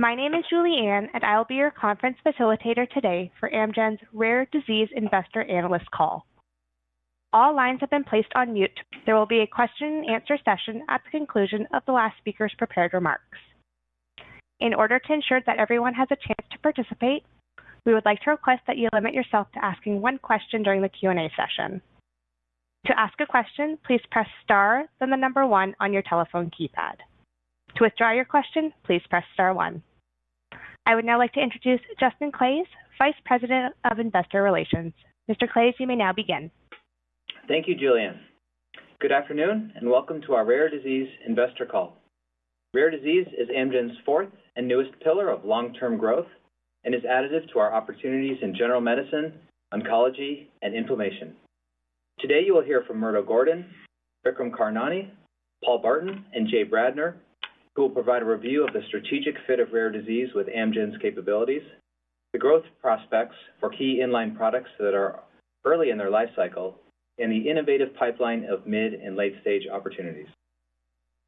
My name is Julie Ann, and I'll be your conference facilitator today for Amgen's Rare Disease investor analyst call. All lines have been placed on mute. There will be a question-and-answer session at the conclusion of the last speaker's prepared remarks. In order to ensure that everyone has a chance to participate, we would like to request that you limit yourself to asking one question during the Q&A session. To ask a question, please press star, then the number one on your telephone keypad. To withdraw your question, please press star one. I would now like to introduce Justin Claeys, Vice President of Investor Relations. Mr. Claeys, you may now begin. Thank you, Julie Ann. Good afternoon and welcome to our Rare Disease investor call. Rare disease is Amgen's fourth and newest pillar of long-term growth and is additive to our opportunities in general medicine, oncology, and inflammation. Today you will hear from Murdo Gordon, Vikram Karnani, Paul Burton, and Jay Bradner, who will provide a review of the strategic fit of rare disease with Amgen's capabilities, the growth prospects for key inline products that are early in their life cycle, and the innovative pipeline of mid and late-stage opportunities.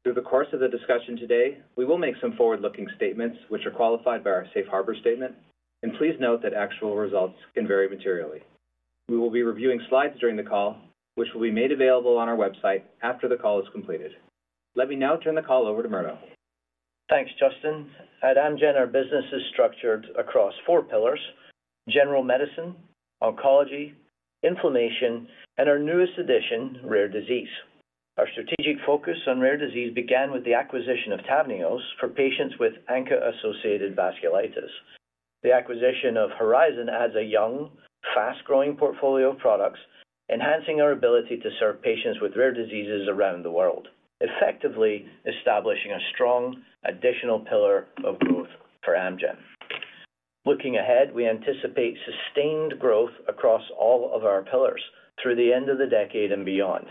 Through the course of the discussion today, we will make some forward-looking statements which are qualified by our Safe Harbor statement, and please note that actual results can vary materially. We will be reviewing slides during the call, which will be made available on our website after the call is completed. Let me now turn the call over to Murdo. Thanks, Justin. At Amgen, our business is structured across four pillars: general medicine, oncology, inflammation, and our newest addition, rare disease. Our strategic focus on rare disease began with the acquisition of TAVNEOS for patients with ANCA-associated vasculitis. The acquisition of Horizon adds a young, fast-growing portfolio of products, enhancing our ability to serve patients with rare diseases around the world, effectively establishing a strong additional pillar of growth for Amgen. Looking ahead, we anticipate sustained growth across all of our pillars through the end of the decade and beyond.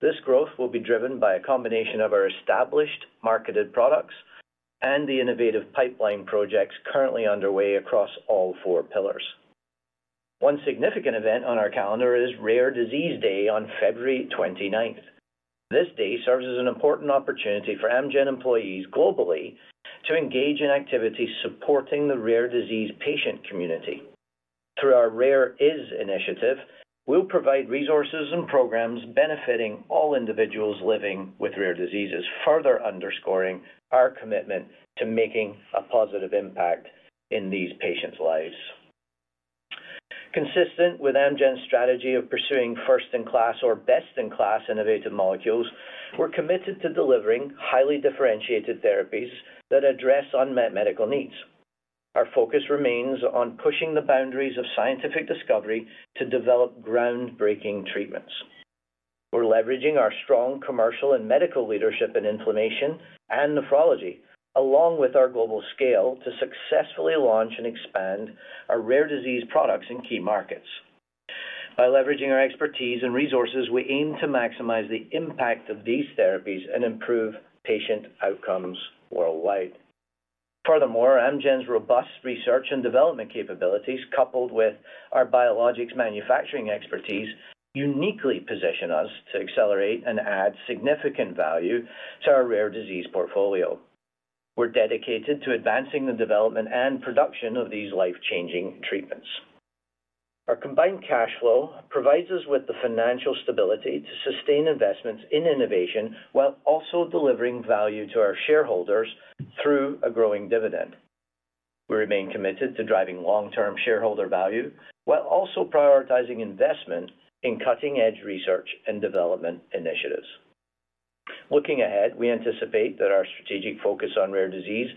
This growth will be driven by a combination of our established marketed products and the innovative pipeline projects currently underway across all four pillars. One significant event on our calendar is Rare Disease Day on February 29th. This day serves as an important opportunity for Amgen employees globally to engage in activities supporting the rare disease patient community. Through our RAREis initiative, we'll provide resources and programs benefiting all individuals living with rare diseases, further underscoring our commitment to making a positive impact in these patients' lives. Consistent with Amgen's strategy of pursuing first-in-class or best-in-class innovative molecules, we're committed to delivering highly differentiated therapies that address unmet medical needs. Our focus remains on pushing the boundaries of scientific discovery to develop groundbreaking treatments. We're leveraging our strong commercial and medical leadership in inflammation and nephrology, along with our global scale, to successfully launch and expand our rare disease products in key markets. By leveraging our expertise and resources, we aim to maximize the impact of these therapies and improve patient outcomes worldwide. Furthermore, Amgen's robust research and development capabilities, coupled with our biologics manufacturing expertise, uniquely position us to accelerate and add significant value to our rare disease portfolio. We're dedicated to advancing the development and production of these life-changing treatments. Our combined cash flow provides us with the financial stability to sustain investments in innovation while also delivering value to our shareholders through a growing dividend. We remain committed to driving long-term shareholder value while also prioritizing investment in cutting-edge research and development initiatives. Looking ahead, we anticipate that our strategic focus on rare disease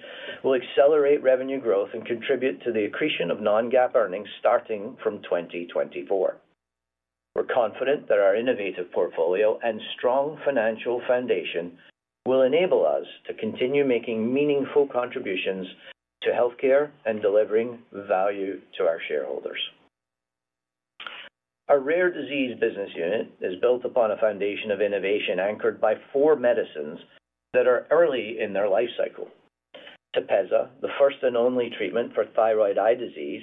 will accelerate revenue growth and contribute to the accretion of non-GAAP earnings starting from 2024. We're confident that our innovative portfolio and strong financial foundation will enable us to continue making meaningful contributions to healthcare and delivering value to our shareholders. Our rare disease business unit is built upon a foundation of innovation anchored by four medicines that are early in their life cycle: TEPEZZA, the first and only treatment for thyroid eye disease,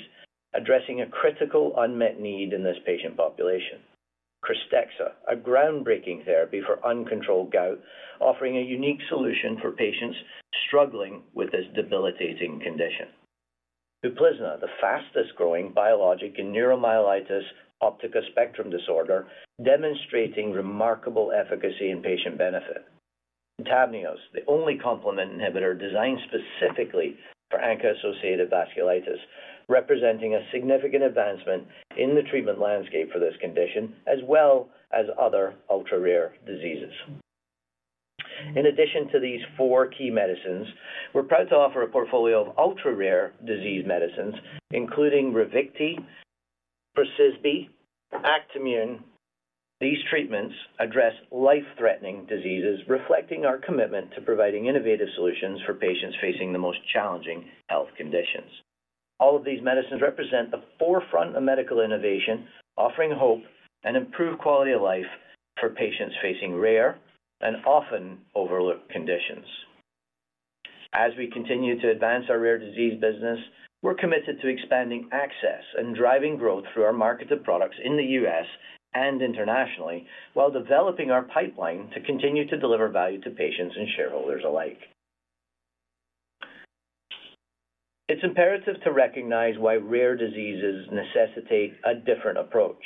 addressing a critical unmet need in this patient population. KRYSTEXXA, a groundbreaking therapy for uncontrolled gout, offering a unique solution for patients struggling with this debilitating condition. UPLIZNA, the fastest-growing biologic in neuromyelitis optica spectrum disorder, demonstrating remarkable efficacy and patient benefit. And TAVNEOS, the only complement inhibitor designed specifically for ANCA-associated vasculitis, representing a significant advancement in the treatment landscape for this condition as well as other ultra-rare diseases. In addition to these four key medicines, we're proud to offer a portfolio of ultra-rare disease medicines, including RAVICTI, PROCYSBI, and ACTIMMUNE. These treatments address life-threatening diseases, reflecting our commitment to providing innovative solutions for patients facing the most challenging health conditions. All of these medicines represent the forefront of medical innovation, offering hope and improved quality of life for patients facing rare and often overlooked conditions. As we continue to advance our rare disease business, we're committed to expanding access and driving growth through our marketed products in the US and internationally while developing our pipeline to continue to deliver value to patients and shareholders alike. It's imperative to recognize why rare diseases necessitate a different approach.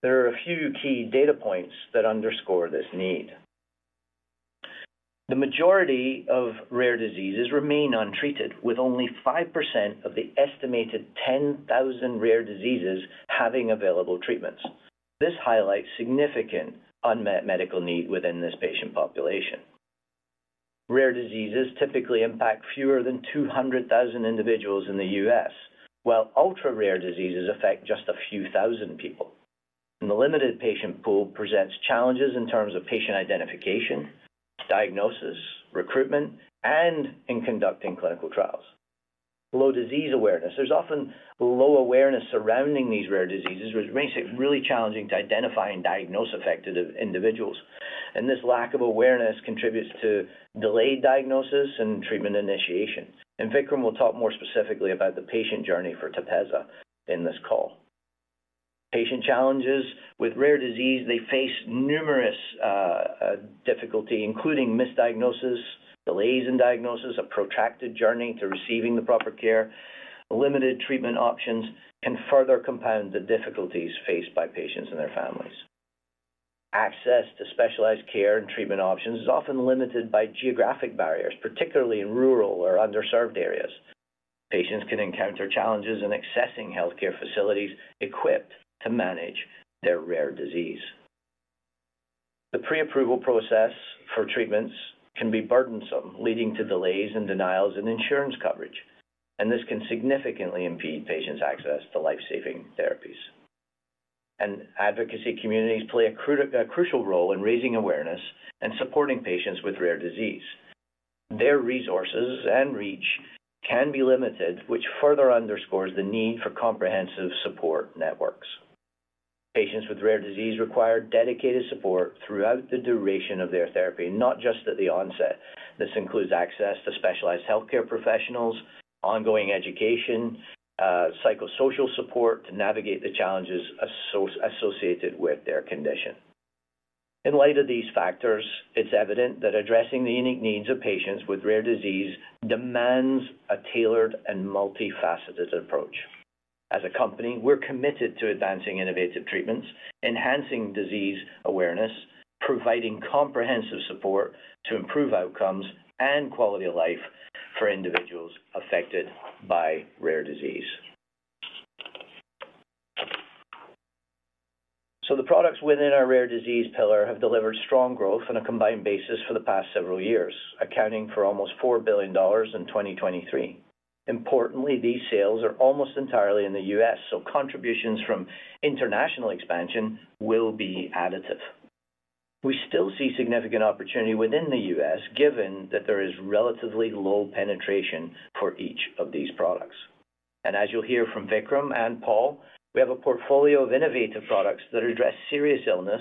There are a few key data points that underscore this need. The majority of rare diseases remain untreated, with only 5% of the estimated 10,000 rare diseases having available treatments. This highlights significant unmet medical need within this patient population. Rare diseases typically impact fewer than 200,000 individuals in the US while ultra-rare diseases affect just a few thousand people. The limited patient pool presents challenges in terms of patient identification, diagnosis, recruitment, and in conducting clinical trials. Low disease awareness: there's often low awareness surrounding these rare diseases, which makes it really challenging to identify and diagnose affected individuals. This lack of awareness contributes to delayed diagnosis and treatment initiation. Vikram will talk more specifically about the patient journey for TEPEZZA in this call. Patient challenges: with rare disease, they face numerous difficulties, including misdiagnosis, delays in diagnosis, a protracted journey to receiving the proper care, and limited treatment options can further compound the difficulties faced by patients and their families. Access to specialized care and treatment options is often limited by geographic barriers, particularly in rural or underserved areas. Patients can encounter challenges in accessing healthcare facilities equipped to manage their rare disease. The pre-approval process for treatments can be burdensome, leading to delays and denials in insurance coverage, and this can significantly impede patients' access to life-saving therapies. Advocacy communities play a crucial role in raising awareness and supporting patients with rare disease. Their resources and reach can be limited, which further underscores the need for comprehensive support networks. Patients with rare disease require dedicated support throughout the duration of their therapy, not just at the onset. This includes access to specialized healthcare professionals, ongoing education, and psychosocial support to navigate the challenges associated with their condition. In light of these factors, it's evident that addressing the unique needs of patients with rare disease demands a tailored and multifaceted approach. As a company, we're committed to advancing innovative treatments, enhancing disease awareness, and providing comprehensive support to improve outcomes and quality of life for individuals affected by rare disease. The products within our rare disease pillar have delivered strong growth on a combined basis for the past several years, accounting for almost $4 billion in 2023. Importantly, these sales are almost entirely in the US, so contributions from international expansion will be additive. We still see significant opportunity within the US, given that there is relatively low penetration for each of these products. As you'll hear from Vikram and Paul, we have a portfolio of innovative products that address serious illness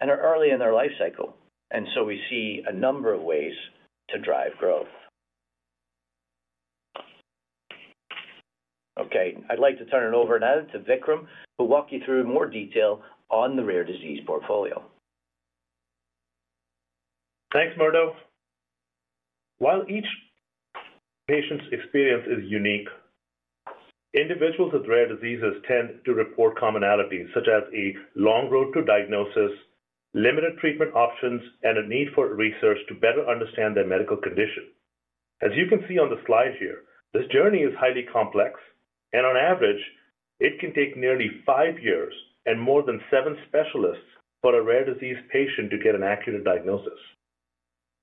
and are early in their life cycle, and so we see a number of ways to drive growth. I'd like to turn it over now to Vikram, who will walk you through more detail on the rare disease portfolio. Thanks, Murdo. While each patient's experience is unique, individuals with rare diseases tend to report commonalities, such as a long road to diagnosis, limited treatment options, and a need for research to better understand their medical condition. As you can see on the slide here, this journey is highly complex, and on average, it can take nearly five years and more than seven specialists for a rare disease patient to get an accurate diagnosis.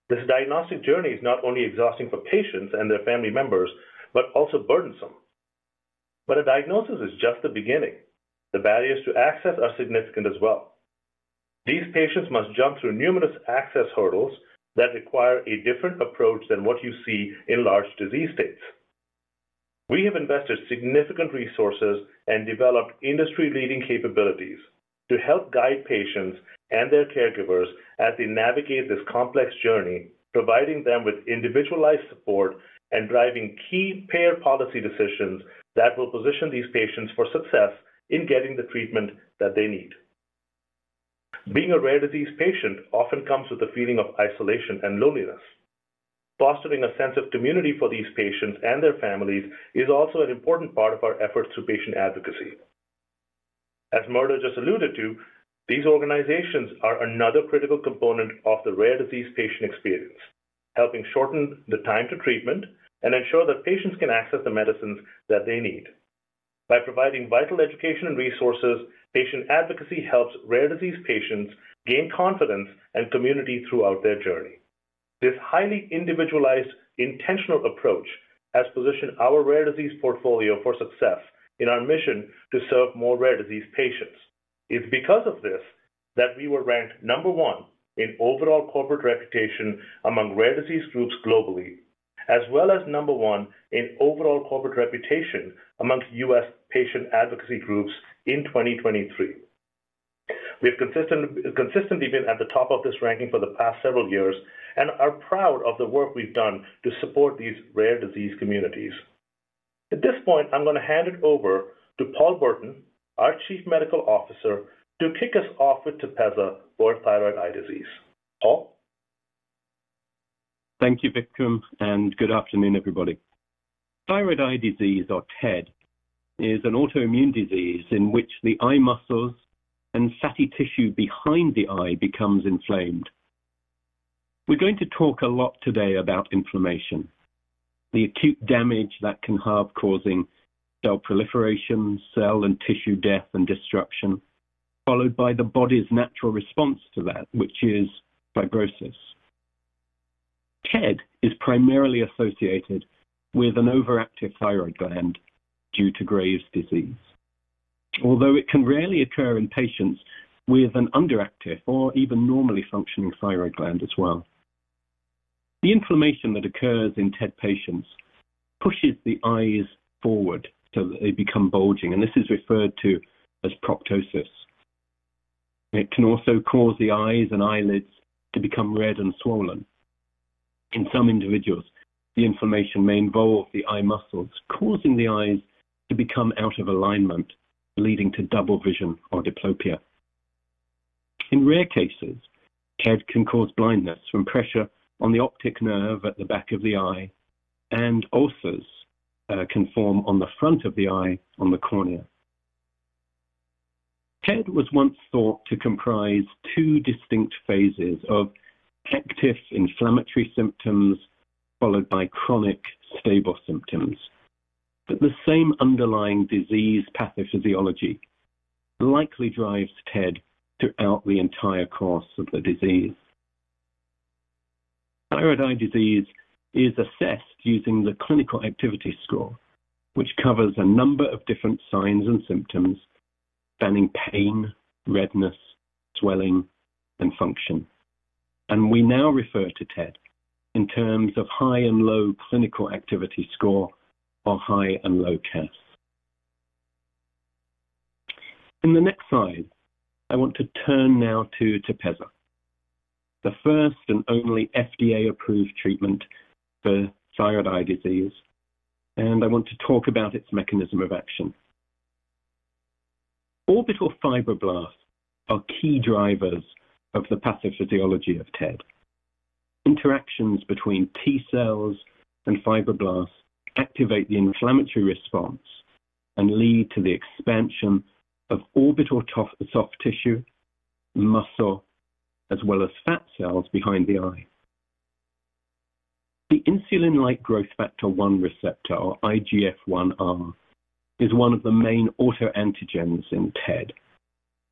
This diagnostic journey is not only exhausting for patients and their family members but also burdensome. A diagnosis is just the beginning. The barriers to access are significant as well. These patients must jump through numerous access hurdles that require a different approach than what you see in large disease states. We have invested significant resources and developed industry-leading capabilities to help guide patients and their caregivers as they navigate this complex journey, providing them with individualized support and driving key care policy decisions that will position these patients for success in getting the treatment that they need. Being a rare disease patient often comes with a feeling of isolation and loneliness. Fostering a sense of community for these patients and their families is also an important part of our efforts through patient advocacy. As Murdo just alluded to, these organizations are another critical component of the rare disease patient experience, helping shorten the time to treatment and ensure that patients can access the medicines that they need. By providing vital education and resources, patient advocacy helps rare disease patients gain confidence and community throughout their journey. This highly individualized, intentional approach has positioned our rare disease portfolio for success in our mission to serve more rare disease patients. It's because of this that we were ranked number one in overall corporate reputation among rare disease groups globally, as well as number one in overall corporate reputation among US patient advocacy groups in 2023. We've consistently been at the top of this ranking for the past several years and are proud of the work we've done to support these rare disease communities. At this point, I'm going to hand it over to Paul Burton, our Chief Medical Officer, to kick us off with TEPEZZA for thyroid eye disease. Paul? Thank you, Vikram, and good afternoon, everybody. Thyroid eye disease, or TED, is an autoimmune disease in which the eye muscles and fatty tissue behind the eye becomes inflamed. We're going to talk a lot today about inflammation, the acute damage that can have causing cell proliferation, cell and tissue death and destruction, followed by the body's natural response to that, which is fibrosis. TED is primarily associated with an overactive thyroid gland due to Graves' disease, although it can rarely occur in patients with an underactive or even normally functioning thyroid gland as well. The inflammation that occurs in TED patients pushes the eyes forward so that they become bulging, and this is referred to as proptosis. It can also cause the eyes and eyelids to become red and swollen. In some individuals, the inflammation may involve the eye muscles, causing the eyes to become out of alignment, leading to double vision or diplopia. In rare cases, TED can cause blindness from pressure on the optic nerve at the back of the eye, and ulcers can form on the front of the eye on the cornea. TED was once thought to comprise two distinct phases of active inflammatory symptoms followed by chronic stable symptoms. The same underlying disease pathophysiology likely drives TED throughout the entire course of the disease. Thyroid eye disease is assessed using the Clinical Activity Score, which covers a number of different signs and symptoms spanning pain, redness, swelling, and function. We now refer to TED in terms of high and low Clinical Activity Score, or high and low CAS. In the next slide, I want to turn now to TEPEZZA, the first and only FDA-approved treatment for thyroid eye disease, and I want to talk about its mechanism of action. Orbital fibroblasts are key drivers of the pathophysiology of TED. Interactions between T cells and fibroblasts activate the inflammatory response and lead to the expansion of orbital soft tissue, muscle, as well as fat cells behind the eye. The insulin-like growth factor-1 receptor, or IGF-1R, is one of the main autoantigens in TED,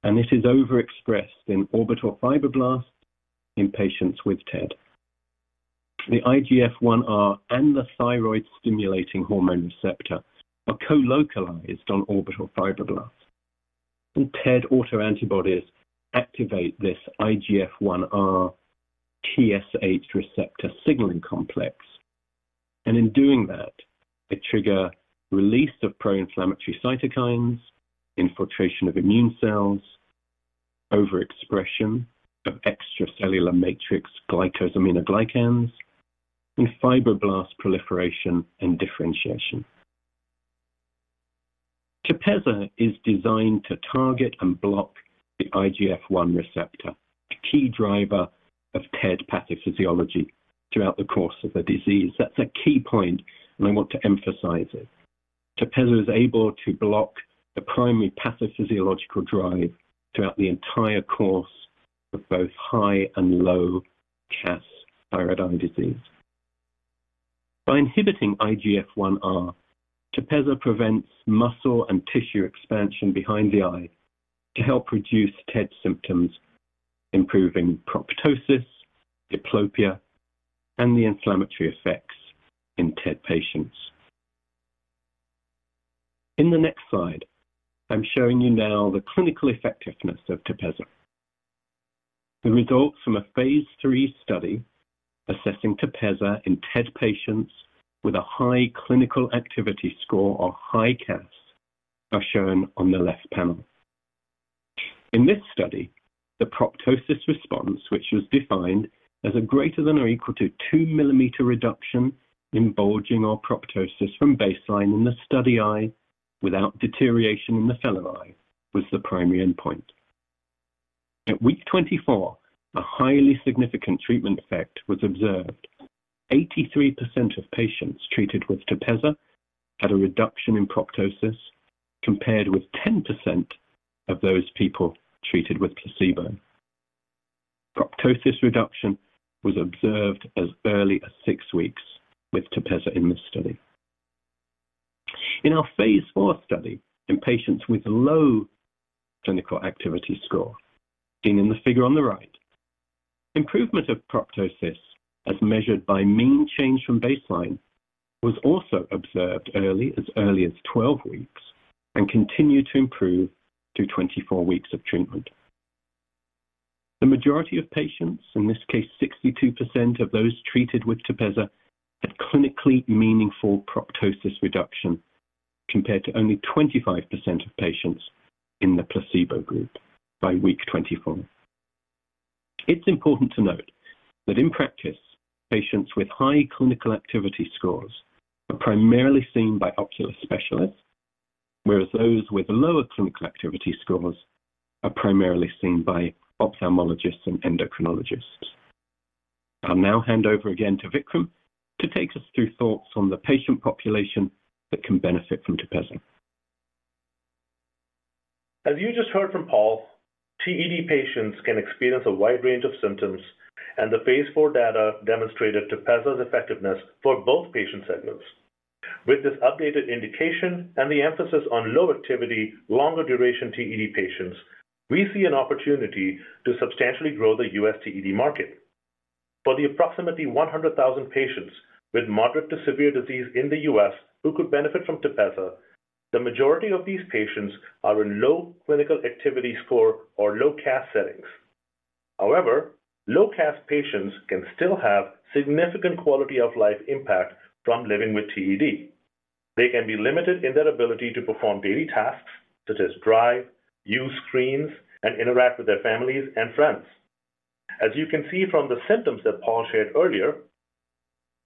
and it is overexpressed in orbital fibroblasts in patients with TED. The IGF-1R and the thyroid-stimulating hormone receptor are co-localized on orbital fibroblasts, and TED autoantibodies activate this IGF-1R/TSH receptor signaling complex. In doing that, they trigger release of pro-inflammatory cytokines, infiltration of immune cells, overexpression of extracellular matrix glycosaminoglycans, and fibroblast proliferation and differentiation. TEPEZZA is designed to target and block the IGF-1 receptor, a key driver of TED pathophysiology throughout the course of the disease. That's a key point, and I want to emphasize it. TEPEZZA is able to block the primary pathophysiological drive throughout the entire course of both high and low CAS thyroid eye disease. By inhibiting IGF-1R, TEPEZZA prevents muscle and tissue expansion behind the eye to help reduce TED symptoms, improving proptosis, diplopia, and the inflammatory effects in TED patients. In the next slide, I'm showing you now the clinical effectiveness of TEPEZZA. The results from a phase III study assessing TEPEZZA in TED patients with a high Clinical Activity Score, or high CAS, are shown on the left panel. In this study, the proptosis response, which was defined as a greater than or equal to 2 mm reduction in bulging or proptosis from baseline in the study eye without deterioration in the fellow eye, was the primary endpoint. At week 24, a highly significant treatment effect was observed. 83% of patients treated with TEPEZZA had a reduction in proptosis compared with 10% of those people treated with placebo. Proptosis reduction was observed as early as six weeks with TEPEZZA in this study. In our phase IV study in patients with low Clinical Activity Score, seen in the figure on the right, improvement of proptosis as measured by mean change from baseline was also observed as early as 12 weeks and continued to improve through 24 weeks of treatment. The majority of patients, in this case, 62% of those treated with TEPEZZA, had clinically meaningful proptosis reduction compared to only 25% of patients in the placebo group by week 24. It's important to note that, in practice, patients with high Clinical Activity Scores are primarily seen by ocular specialists, whereas those with lower Clinical Activity Scores are primarily seen by ophthalmologists and endocrinologists. I'll now hand over again to Vikram to take us through thoughts on the patient population that can benefit from TEPEZZA. As you just heard from Paul, TED patients can experience a wide range of symptoms, and the phase IV data demonstrated TEPEZZA's effectiveness for both patient segments. With this updated indication and the emphasis on low-activity, longer-duration TED patients, we see an opportunity to substantially grow the US TED market. For the approximately 100,000 patients with moderate to severe disease in the US who could benefit from TEPEZZA, the majority of these patients are in low Clinical Activity Score, or low CAS, settings. However, low CAS patients can still have significant quality-of-life impact from living with TED. They can be limited in their ability to perform daily tasks such as drive, use screens, and interact with their families and friends. As you can see from the symptoms that Paul shared earlier,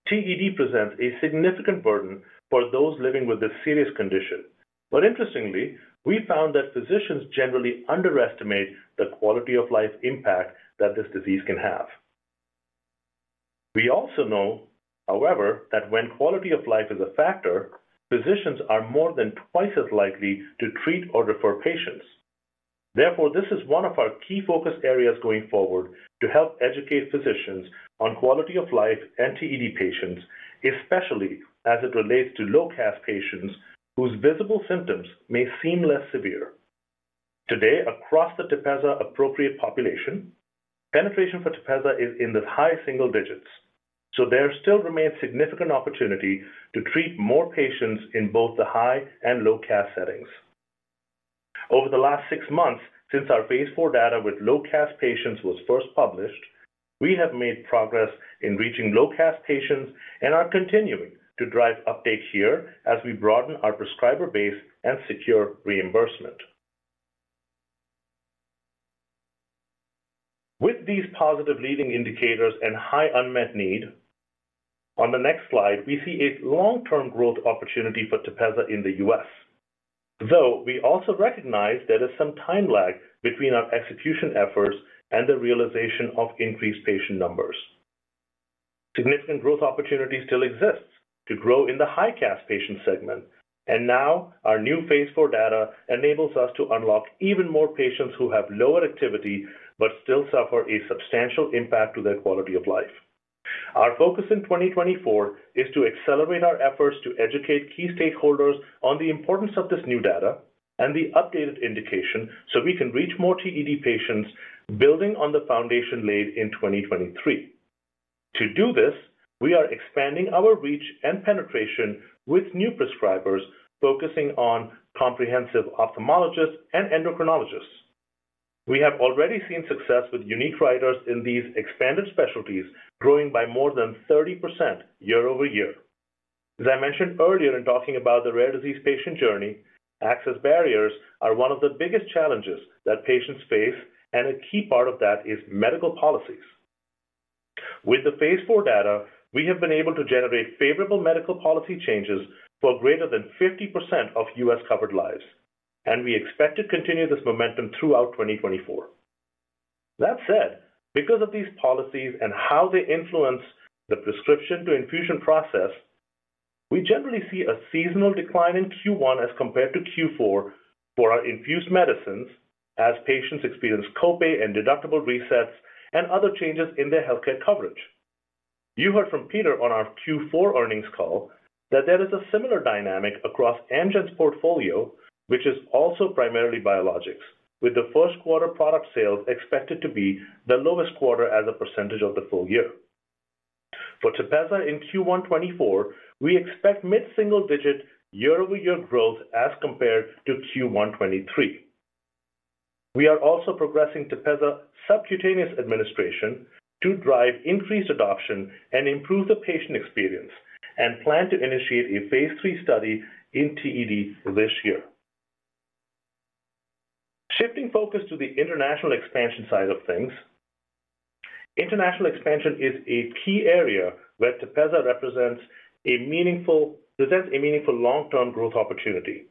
TED presents a significant burden for those living with this serious condition. Interestingly, we found that physicians generally underestimate the quality-of-life impact that this disease can have. We also know, however, that when quality of life is a factor, physicians are more than twice as likely to treat or refer patients. Therefore, this is one of our key focus areas going forward to help educate physicians on quality of life and TED patients, especially as it relates to low CAS patients whose visible symptoms may seem less severe. Today, across the TEPEZZA-appropriate population, penetration for TEPEZZA is in the high single digits, so there still remains significant opportunity to treat more patients in both the high and low CAS settings. Over the last six months since our phase IV data with low CAS patients was first published, we have made progress in reaching low CAS patients and are continuing to drive uptake here as we broaden our prescriber base and secure reimbursement. With these positive leading indicators and high unmet need, on the next slide, we see a long-term growth opportunity for TEPEZZA in the US, though we also recognize there is some time lag between our execution efforts and the realization of increased patient numbers. Significant growth opportunity still exists to grow in the high CAS patient segment, and now our new phase IV data enables us to unlock even more patients who have lower activity but still suffer a substantial impact to their quality of life. Our focus in 2024 is to accelerate our efforts to educate key stakeholders on the importance of this new data and the updated indication so we can reach more TED patients building on the foundation laid in 2023. To do this, we are expanding our reach and penetration with new prescribers focusing on comprehensive ophthalmologists and endocrinologists. We have already seen success with unique writers in these expanded specialties growing by more than 30% year-over-year. As I mentioned earlier in talking about the rare disease patient journey, access barriers are one of the biggest challenges that patients face, and a key part of that is medical policies. With the phase IV data, we have been able to generate favorable medical policy changes for greater than 50% of US-covered lives, and we expect to continue this momentum throughout 2024. That said, because of these policies and how they influence the prescription-to-infusion process, we generally see a seasonal decline in Q1 as compared to Q4 for our infused medicines as patients experience copay and deductible resets and other changes in their healthcare coverage. You heard from Peter on our Q4 earnings call that there is a similar dynamic across Amgen's portfolio, which is also primarily biologics, with the first-quarter product sales expected to be the lowest quarter as a percentage of the full year. For TEPEZZA in Q1/2024, we expect mid-single digit year-over-year growth as compared to Q1/2023. We are also progressing TEPEZZA subcutaneous administration to drive increased adoption and improve the patient experience, and plan to initiate a phase III study in TED this year. Shifting focus to the international expansion side of things, international expansion is a key area where TEPEZZA presents a meaningful long-term growth opportunity.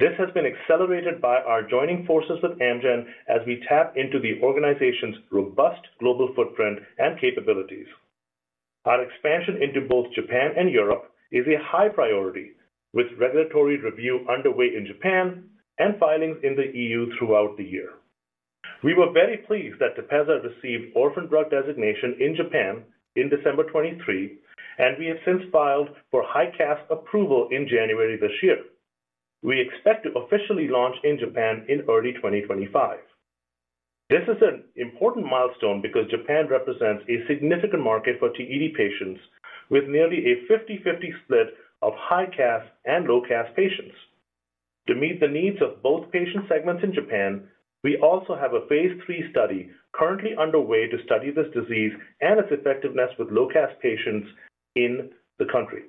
This has been accelerated by our joining forces with Amgen as we tap into the organization's robust global footprint and capabilities. Our expansion into both Japan and Europe is a high priority, with regulatory review underway in Japan and filings in the EU throughout the year. We were very pleased that TEPEZZA received orphan drug designation in Japan in December 2023, and we have since filed for high CAS approval in January this year. We expect to officially launch in Japan in early 2025. This is an important milestone because Japan represents a significant market for TED patients with nearly a 50/50 split of high CAS and low CAS patients. To meet the needs of both patient segments in Japan, we also have a phase III study currently underway to study this disease and its effectiveness with low CAS patients in the country.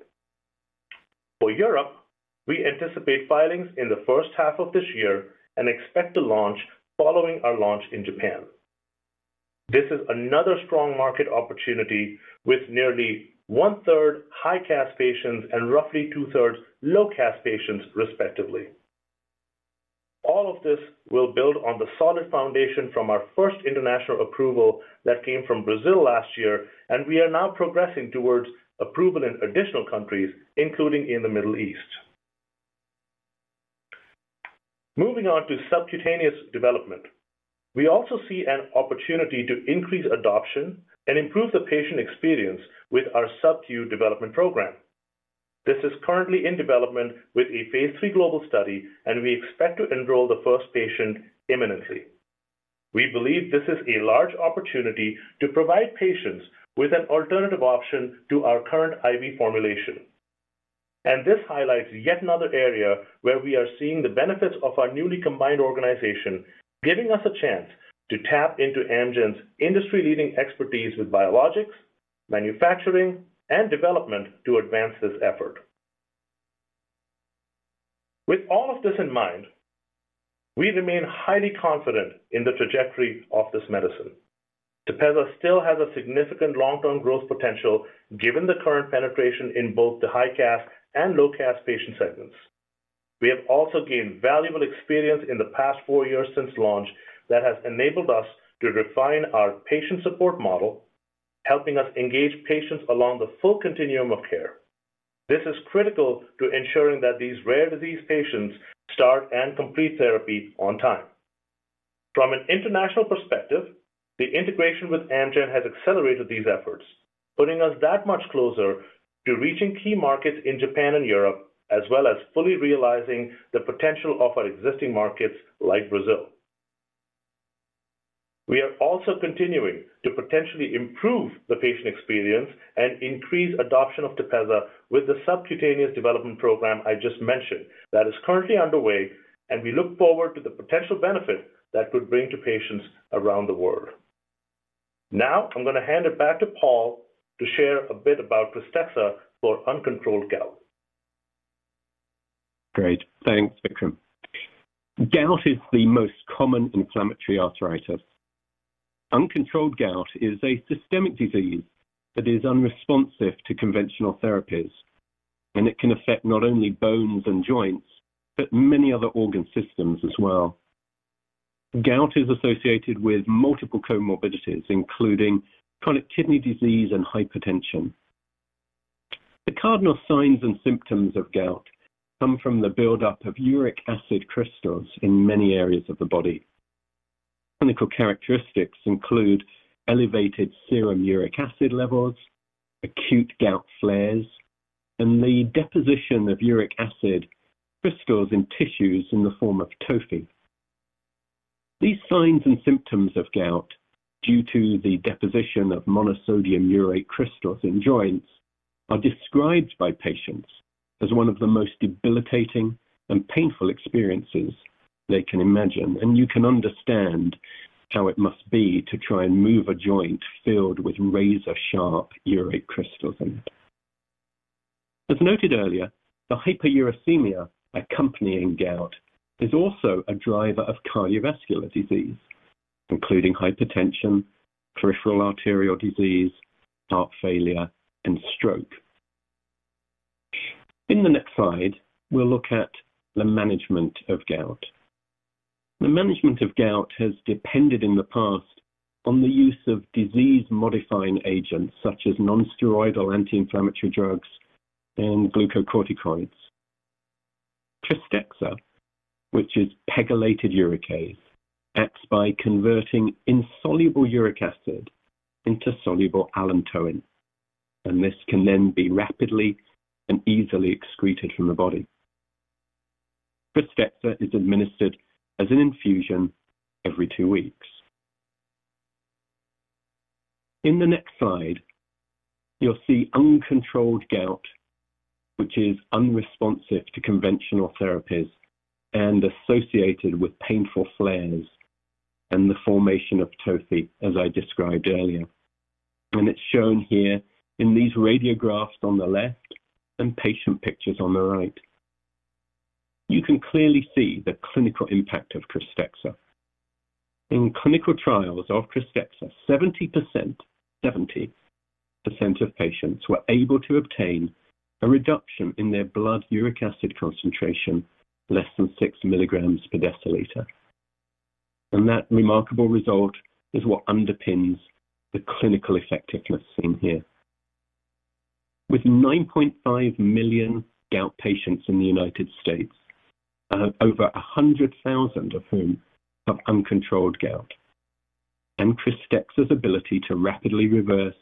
For Europe, we anticipate filings in the first half of this year and expect to launch following our launch in Japan. This is another strong market opportunity with nearly 1/3 high CAS patients and roughly 2/3 low CAS patients, respectively. All of this will build on the solid foundation from our first international approval that came from Brazil last year, and we are now progressing towards approval in additional countries, including in the Middle East. Moving on to subcutaneous development, we also see an opportunity to increase adoption and improve the patient experience with our subcu development program. This is currently in development with a phase III global study, and we expect to enroll the first patient imminently. We believe this is a large opportunity to provide patients with an alternative option to our current IV formulation. This highlights yet another area where we are seeing the benefits of our newly combined organization, giving us a chance to tap into Amgen's industry-leading expertise with biologics, manufacturing, and development to advance this effort. With all of this in mind, we remain highly confident in the trajectory of this medicine. TEPEZZA still has a significant long-term growth potential given the current penetration in both the high CAS and low CAS patient segments. We have also gained valuable experience in the past four years since launch that has enabled us to refine our patient support model, helping us engage patients along the full continuum of care. This is critical to ensuring that these rare disease patients start and complete therapy on time. From an international perspective, the integration with Amgen has accelerated these efforts, putting us that much closer to reaching key markets in Japan and Europe, as well as fully realizing the potential of our existing markets like Brazil. We are also continuing to potentially improve the patient experience and increase adoption of TEPEZZA with the subcutaneous development program I just mentioned that is currently underway, and we look forward to the potential benefit that could bring to patients around the world. Now, I'm going to hand it back to Paul to share a bit about KRYSTEXXA for uncontrolled gout. Great. Thanks, Vikram. Gout is the most common inflammatory arthritis. Uncontrolled gout is a systemic disease that is unresponsive to conventional therapies, and it can affect not only bones and joints but many other organ systems as well. Gout is associated with multiple comorbidities, including chronic kidney disease and hypertension. The cardinal signs and symptoms of gout come from the buildup of uric acid crystals in many areas of the body. Clinical characteristics include elevated serum uric acid levels, acute gout flares, and the deposition of uric acid crystals in tissues in the form of tophi. These signs and symptoms of gout, due to the deposition of monosodium urate crystals in joints, are described by patients as one of the most debilitating and painful experiences they can imagine, and you can understand how it must be to try and move a joint filled with razor-sharp urate crystals in it. As noted earlier, the hyperuricemia accompanying gout is also a driver of cardiovascular disease, including hypertension, peripheral arterial disease, heart failure, and stroke. In the next slide, we'll look at the management of gout. The management of gout has depended in the past on the use of disease-modifying agents such as nonsteroidal anti-inflammatory drugs and glucocorticoids. KRYSTEXXA, which is pegylated uricase, acts by converting insoluble uric acid into soluble allantoin, and this can then be rapidly and easily excreted from the body. KRYSTEXXA is administered as an infusion every two weeks. In the next slide, you'll see uncontrolled gout, which is unresponsive to conventional therapies and associated with painful flares and the formation of tophi, as I described earlier. It's shown here in these radiographs on the left and patient pictures on the right. You can clearly see the clinical impact of KRYSTEXXA. In clinical trials of KRYSTEXXA, 70% of patients were able to obtain a reduction in their blood uric acid concentration less than 6 mg/dL, and that remarkable result is what underpins the clinical effectiveness seen here. With 9.5 million gout patients in the United States, over 100,000 of whom have uncontrolled gout, and KRYSTEXXA's ability to rapidly reverse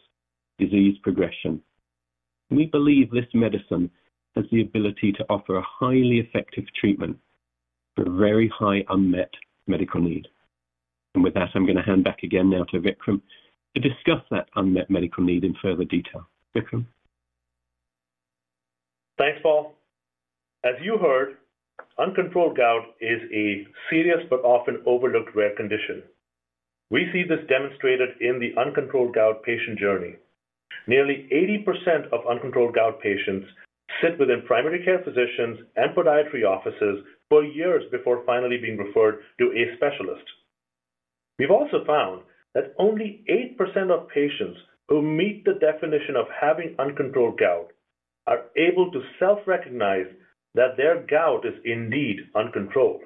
disease progression, we believe this medicine has the ability to offer a highly effective treatment for a very high unmet medical need. With that, I'm going to hand back again now to Vikram to discuss that unmet medical need in further detail. Vikram? Thanks, Paul. As you heard, uncontrolled gout is a serious but often overlooked rare condition. We see this demonstrated in the uncontrolled gout patient journey. Nearly 80% of uncontrolled gout patients sit within primary care physicians and podiatry offices for years before finally being referred to a specialist. We've also found that only 8% of patients who meet the definition of having uncontrolled gout are able to self-recognize that their gout is indeed uncontrolled.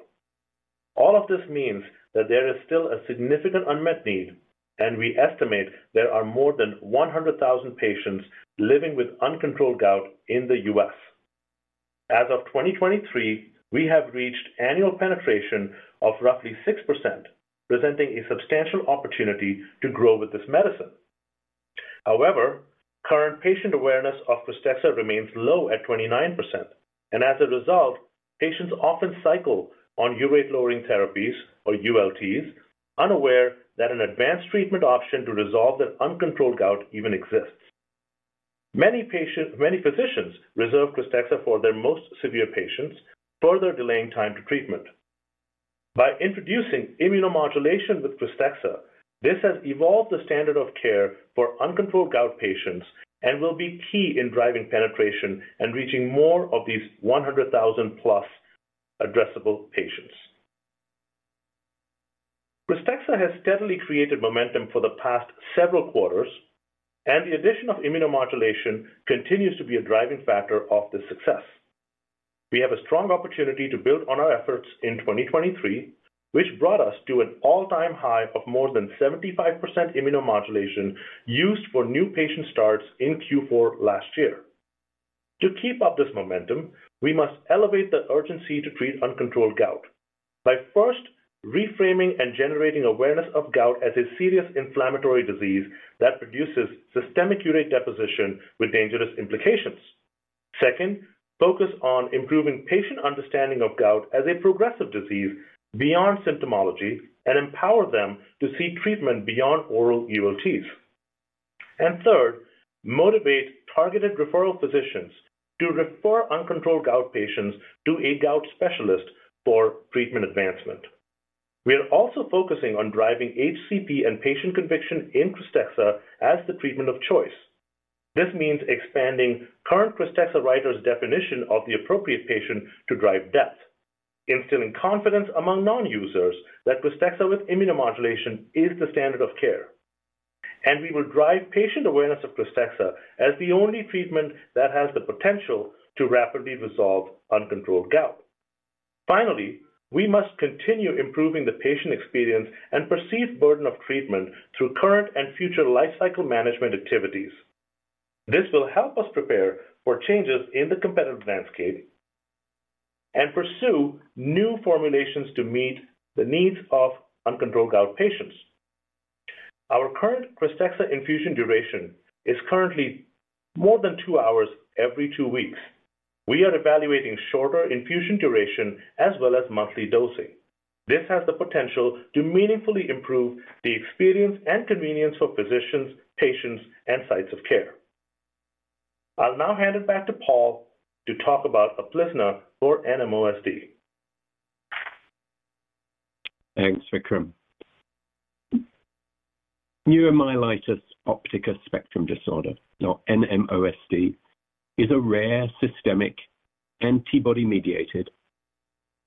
All of this means that there is still a significant unmet need, and we estimate there are more than 100,000 patients living with uncontrolled gout in the US. As of 2023, we have reached annual penetration of roughly 6%, presenting a substantial opportunity to grow with this medicine. However, current patient awareness of KRYSTEXXA remains low at 29%, and as a result, patients often cycle on urate-lowering therapies or ULTs, unaware that an advanced treatment option to resolve their uncontrolled gout even exists. Many physicians reserve KRYSTEXXA for their most severe patients, further delaying time to treatment. By introducing immunomodulation with KRYSTEXXA, this has evolved the standard of care for uncontrolled gout patients and will be key in driving penetration and reaching more of these 100,000+ addressable patients. KRYSTEXXA has steadily created momentum for the past several quarters, and the addition of immunomodulation continues to be a driving factor of this success. We have a strong opportunity to build on our efforts in 2023, which brought us to an all-time high of more than 75% immunomodulation used for new patient starts in Q4 last year. To keep up this momentum, we must elevate the urgency to treat uncontrolled gout by first reframing and generating awareness of gout as a serious inflammatory disease that produces systemic urate deposition with dangerous implications. Second, focus on improving patient understanding of gout as a progressive disease beyond symptomology and empower them to see treatment beyond oral ULTs. Third, motivate targeted referral physicians to refer uncontrolled gout patients to a gout specialist for treatment advancement. We are also focusing on driving HCP and patient conviction in KRYSTEXXA as the treatment of choice. This means expanding current KRYSTEXXA writers' definition of the appropriate patient to drive depth, instilling confidence among non-users that KRYSTEXXA with immunomodulation is the standard of care, and we will drive patient awareness of KRYSTEXXA as the only treatment that has the potential to rapidly resolve uncontrolled gout. Finally, we must continue improving the patient experience and perceived burden of treatment through current and future lifecycle management activities. This will help us prepare for changes in the competitive landscape and pursue new formulations to meet the needs of uncontrolled gout patients. Our current KRYSTEXXA infusion duration is currently more than 2 hours every 2 weeks. We are evaluating shorter infusion duration as well as monthly dosing. This has the potential to meaningfully improve the experience and convenience for physicians, patients, and sites of care. I'll now hand it back to Paul to talk about UPLIZNA or NMOSD. Thanks, Vikram. Neuromyelitis optica spectrum disorder, or NMOSD, is a rare systemic antibody-mediated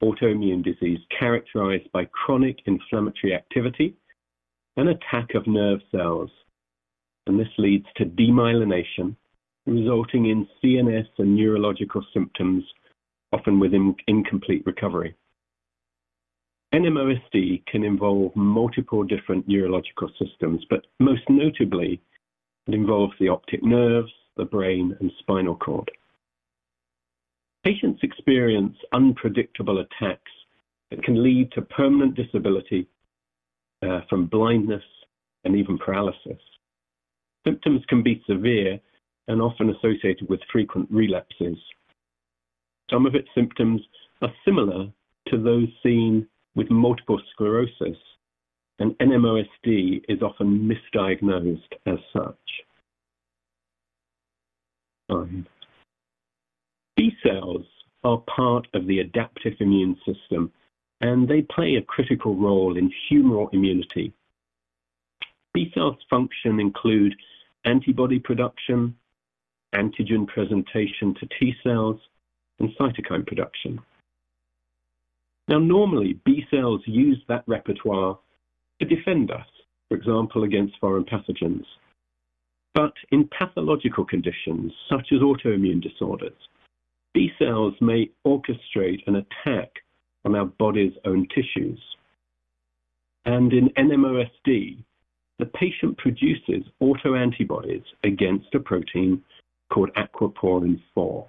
autoimmune disease characterized by chronic inflammatory activity and attack of nerve cells. This leads to demyelination, resulting in CNS and neurological symptoms, often with incomplete recovery. NMOSD can involve multiple different neurological systems, but most notably, it involves the optic nerves, the brain, and spinal cord. Patients experience unpredictable attacks that can lead to permanent disability from blindness and even paralysis. Symptoms can be severe and often associated with frequent relapses. Some of its symptoms are similar to those seen with multiple sclerosis, and NMOSD is often misdiagnosed as such. B cells are part of the adaptive immune system, and they play a critical role in humoral immunity. B cells' function includes antibody production, antigen presentation to T cells, and cytokine production. Normally, B cells use that repertoire to defend us, for example, against foreign pathogens. But in pathological conditions such as autoimmune disorders, B cells may orchestrate an attack on our body's own tissues. In NMOSD, the patient produces autoantibodies against a protein called aquaporin-4,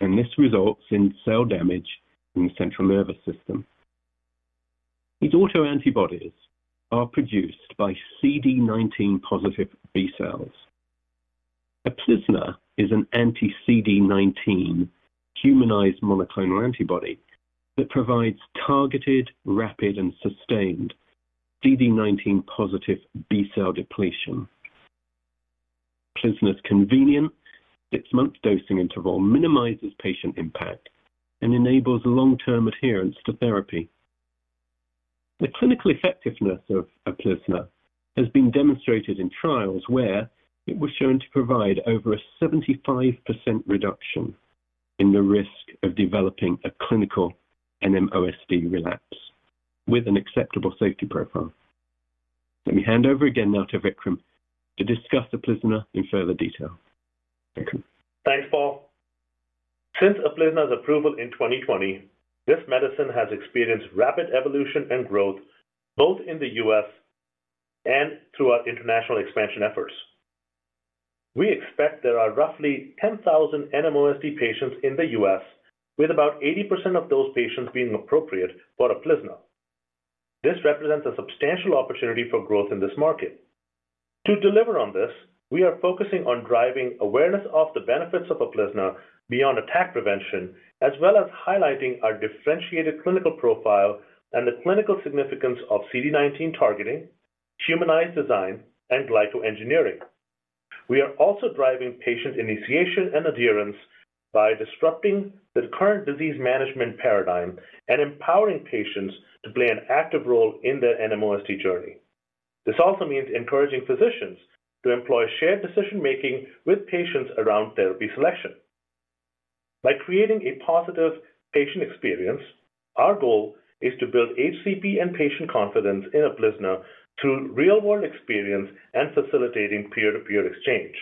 and this results in cell damage in the central nervous system. These autoantibodies are produced by CD19-positive B cells. UPLIZNA is an anti-CD19 humanized monoclonal antibody that provides targeted, rapid, and sustained CD19-positive B cell depletion. UPLIZNA's convenient six-month dosing interval minimizes patient impact and enables long-term adherence to therapy. The clinical effectiveness of UPLIZNA has been demonstrated in trials where it was shown to provide over a 75% reduction in the risk of developing a clinical NMOSD relapse with an acceptable safety profile. Let me hand over again now to Vikram to discuss UPLIZNA in further detail. Thanks, Paul. Since UPLIZNA's approval in 2020, this medicine has experienced rapid evolution and growth both in the US and through our international expansion efforts. We expect there are roughly 10,000 NMOSD patients in the US, with about 80% of those patients being appropriate for UPLIZNA. This represents a substantial opportunity for growth in this market. To deliver on this, we are focusing on driving awareness of the benefits of UPLIZNA beyond attack prevention, as well as highlighting our differentiated clinical profile and the clinical significance of CD19 targeting, humanized design, and glycoengineering. We are also driving patient initiation and adherence by disrupting the current disease management paradigm and empowering patients to play an active role in their NMOSD journey. This also means encouraging physicians to employ shared decision-making with patients around therapy selection. By creating a positive patient experience, our goal is to build HCP and patient confidence in UPLIZNA through real-world experience and facilitating peer-to-peer exchange.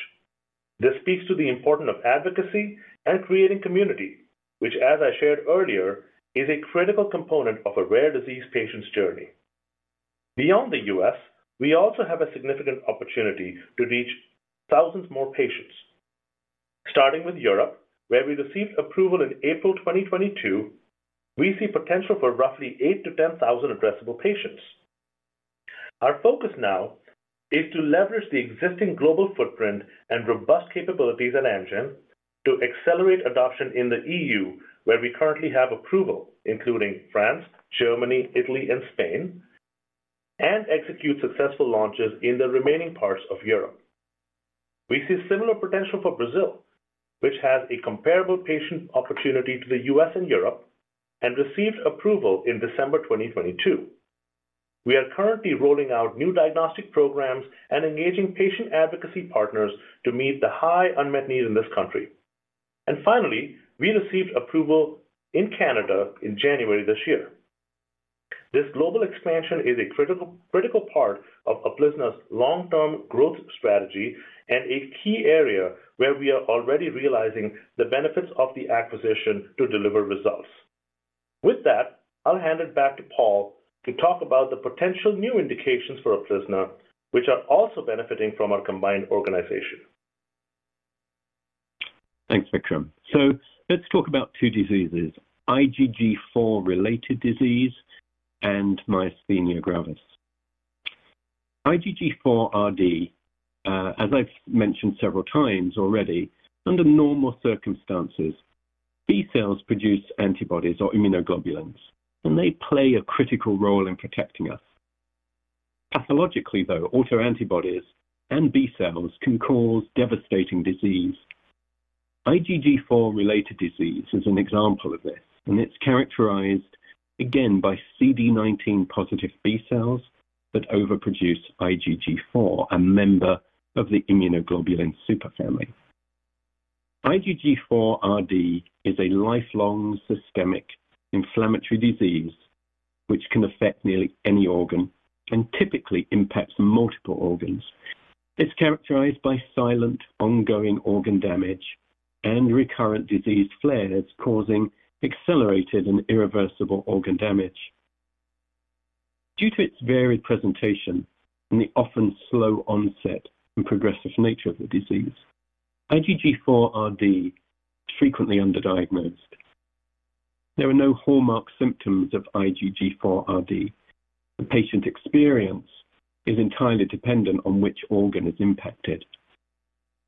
This speaks to the importance of advocacy and creating community, which, as I shared earlier, is a critical component of a rare disease patient's journey. Beyond the US, we also have a significant opportunity to reach thousands more patients. Starting with Europe, where we received approval in April 2022, we see potential for roughly 8,000-10,000 addressable patients. Our focus now is to leverage the existing global footprint and robust capabilities at Amgen to accelerate adoption in the EU, where we currently have approval, including France, Germany, Italy, and Spain, and execute successful launches in the remaining parts of Europe. We see similar potential for Brazil, which has a comparable patient opportunity to the US and Europe and received approval in December 2022. We are currently rolling out new diagnostic programs and engaging patient advocacy partners to meet the high unmet need in this country. Finally, we received approval in Canada in January this year. This global expansion is a critical part of UPLIZNA's long-term growth strategy and a key area where we are already realizing the benefits of the acquisition to deliver results. With that, I'll hand it back to Paul to talk about the potential new indications for UPLIZNA, which are also benefiting from our combined organization. Thanks, Vikram. Let's talk about two diseases: IgG4-related disease and myasthenia gravis. IgG4-RD, as I've mentioned several times already, under normal circumstances, B cells produce antibodies or immunoglobulins, and they play a critical role in protecting us. Pathologically, though, autoantibodies and B cells can cause devastating disease. IgG4-related disease is an example of this, and it's characterized, again, by CD19-positive B cells that overproduce IgG4, a member of the immunoglobulin superfamily. IgG4-RD is a lifelong systemic inflammatory disease which can affect nearly any organ and typically impacts multiple organs. It's characterized by silent, ongoing organ damage and recurrent disease flares causing accelerated and irreversible organ damage. Due to its varied presentation and the often slow onset and progressive nature of the disease, IgG4-RD is frequently underdiagnosed. There are no hallmark symptoms of IgG4-RD. The patient experience is entirely dependent on which organ is impacted.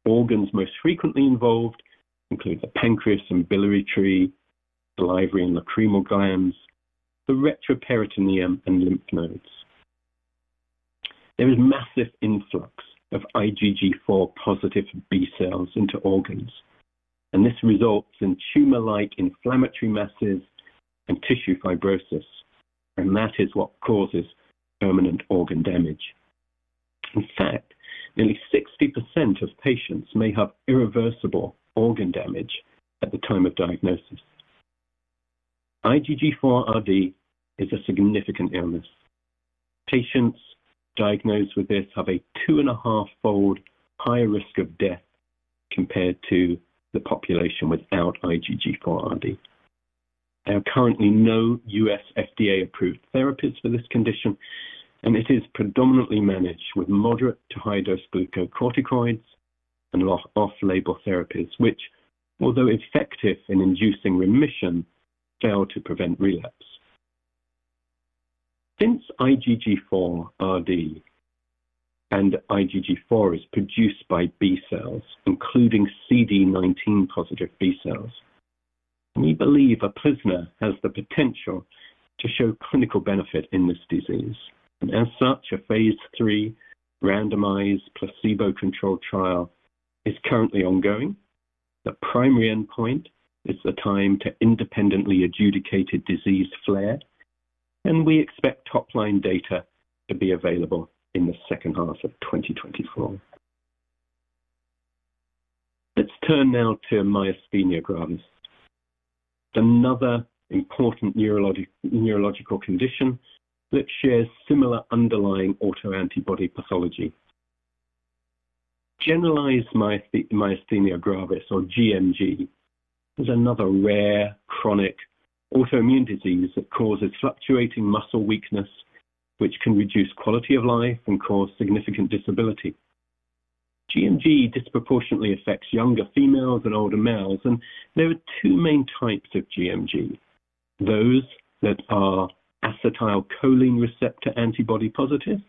Organs most frequently involved include the pancreas and biliary tree, the liver and lacrimal glands, the retroperitoneum, and lymph nodes. There is massive influx of IgG4-positive B cells into organs, and this results in tumor-like inflammatory masses and tissue fibrosis, and that is what causes permanent organ damage. In fact, nearly 60% of patients may have irreversible organ damage at the time of diagnosis. IgG4-RD is a significant illness. Patients diagnosed with this have a two-and-a-half-fold higher risk of death compared to the population without IgG4-RD. There are currently no US FDA-approved therapies for this condition, and it is predominantly managed with moderate to high-dose glucocorticoids and off-label therapies which, although effective in inducing remission, fail to prevent relapse. Since IgG4-RD and IgG4 is produced by B cells, including CD19-positive B cells, we believe UPLIZNA has the potential to show clinical benefit in this disease. As such, a phase III randomized placebo-controlled trial is currently ongoing. The primary endpoint is the time to independently adjudicate a disease flare, and we expect top-line data to be available in the second half of 2024. Let's turn now to myasthenia gravis, another important neurological condition that shares similar underlying autoantibody pathology. Generalized myasthenia gravis, or GMG, is another rare, chronic autoimmune disease that causes fluctuating muscle weakness which can reduce quality of life and cause significant disability. GMG disproportionately affects younger females and older males, and there are two main types of GMG: those that are acetylcholine receptor antibody positive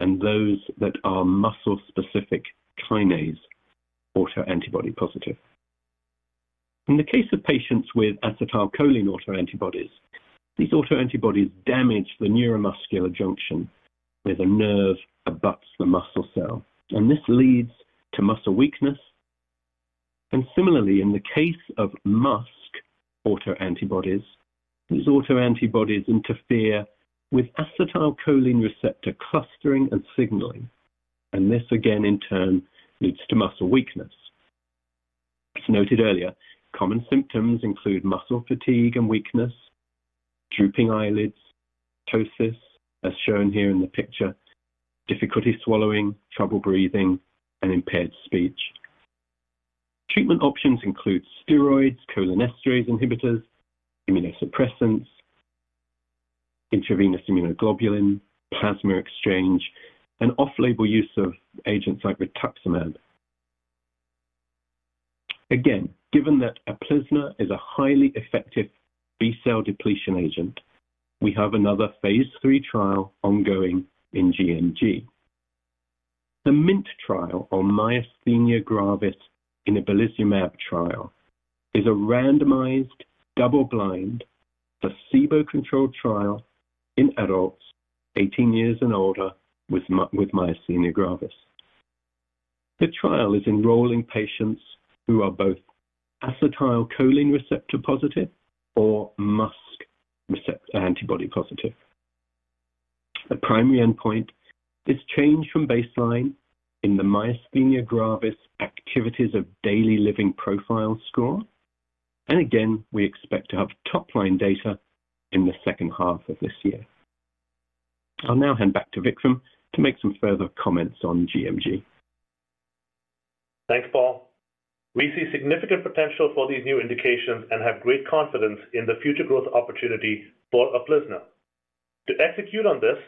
and those that are muscle-specific kinase autoantibody positive. In the case of patients with acetylcholine autoantibodies, these autoantibodies damage the neuromuscular junction where the nerve abuts the muscle cell, and this leads to muscle weakness. Similarly, in the case of MuSK autoantibodies, these autoantibodies interfere with acetylcholine receptor clustering and signaling, and this, again, in turn, leads to muscle weakness. As noted earlier, common symptoms include muscle fatigue and weakness, drooping eyelids, ptosis as shown here in the picture, difficulty swallowing, trouble breathing, and impaired speech. Treatment options include steroids, cholinesterase inhibitors, immunosuppressants, intravenous immunoglobulin, plasma exchange, and off-label use of agents like rituximab. Again, given that UPLIZNA is a highly effective B cell depletion agent, we have another phase III trial ongoing in GMG. The MINT trial, or myasthenia gravis inebilizumab trial, is a randomized double-blind placebo-controlled trial in adults 18 years and older with myasthenia gravis. The trial is enrolling patients who are both acetylcholine receptor positive or MuSK antibody positive. The primary endpoint is change from baseline in the myasthenia gravis activities of daily living profile score, and again, we expect to have top-line data in the second half of this year. I'll now hand back to Vikram to make some further comments on GMG. Thanks, Paul. We see significant potential for these new indications and have great confidence in the future growth opportunity for UPLIZNA. To execute on this,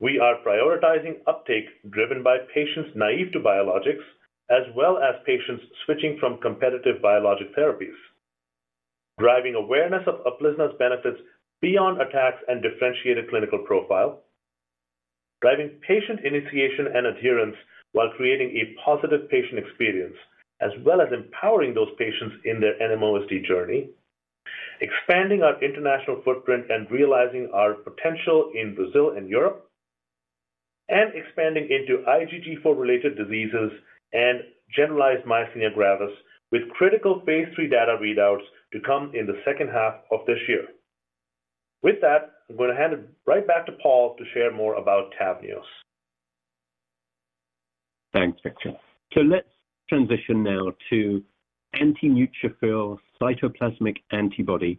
we are prioritizing uptake driven by patients naive to biologics as well as patients switching from competitive biologic therapies, driving awareness of UPLIZNA's benefits beyond attacks and differentiated clinical profile, driving patient initiation and adherence while creating a positive patient experience as well as empowering those patients in their NMOSD journey, expanding our international footprint and realizing our potential in Brazil and Europe, and expanding into IgG4-related diseases and generalized myasthenia gravis with critical phase III data readouts to come in the second half of this year. With that, I'm going to hand it right back to Paul to share more about TAVNEOS. Thanks, Vikram. Let's transition now to antineutrophil cytoplasmic antibody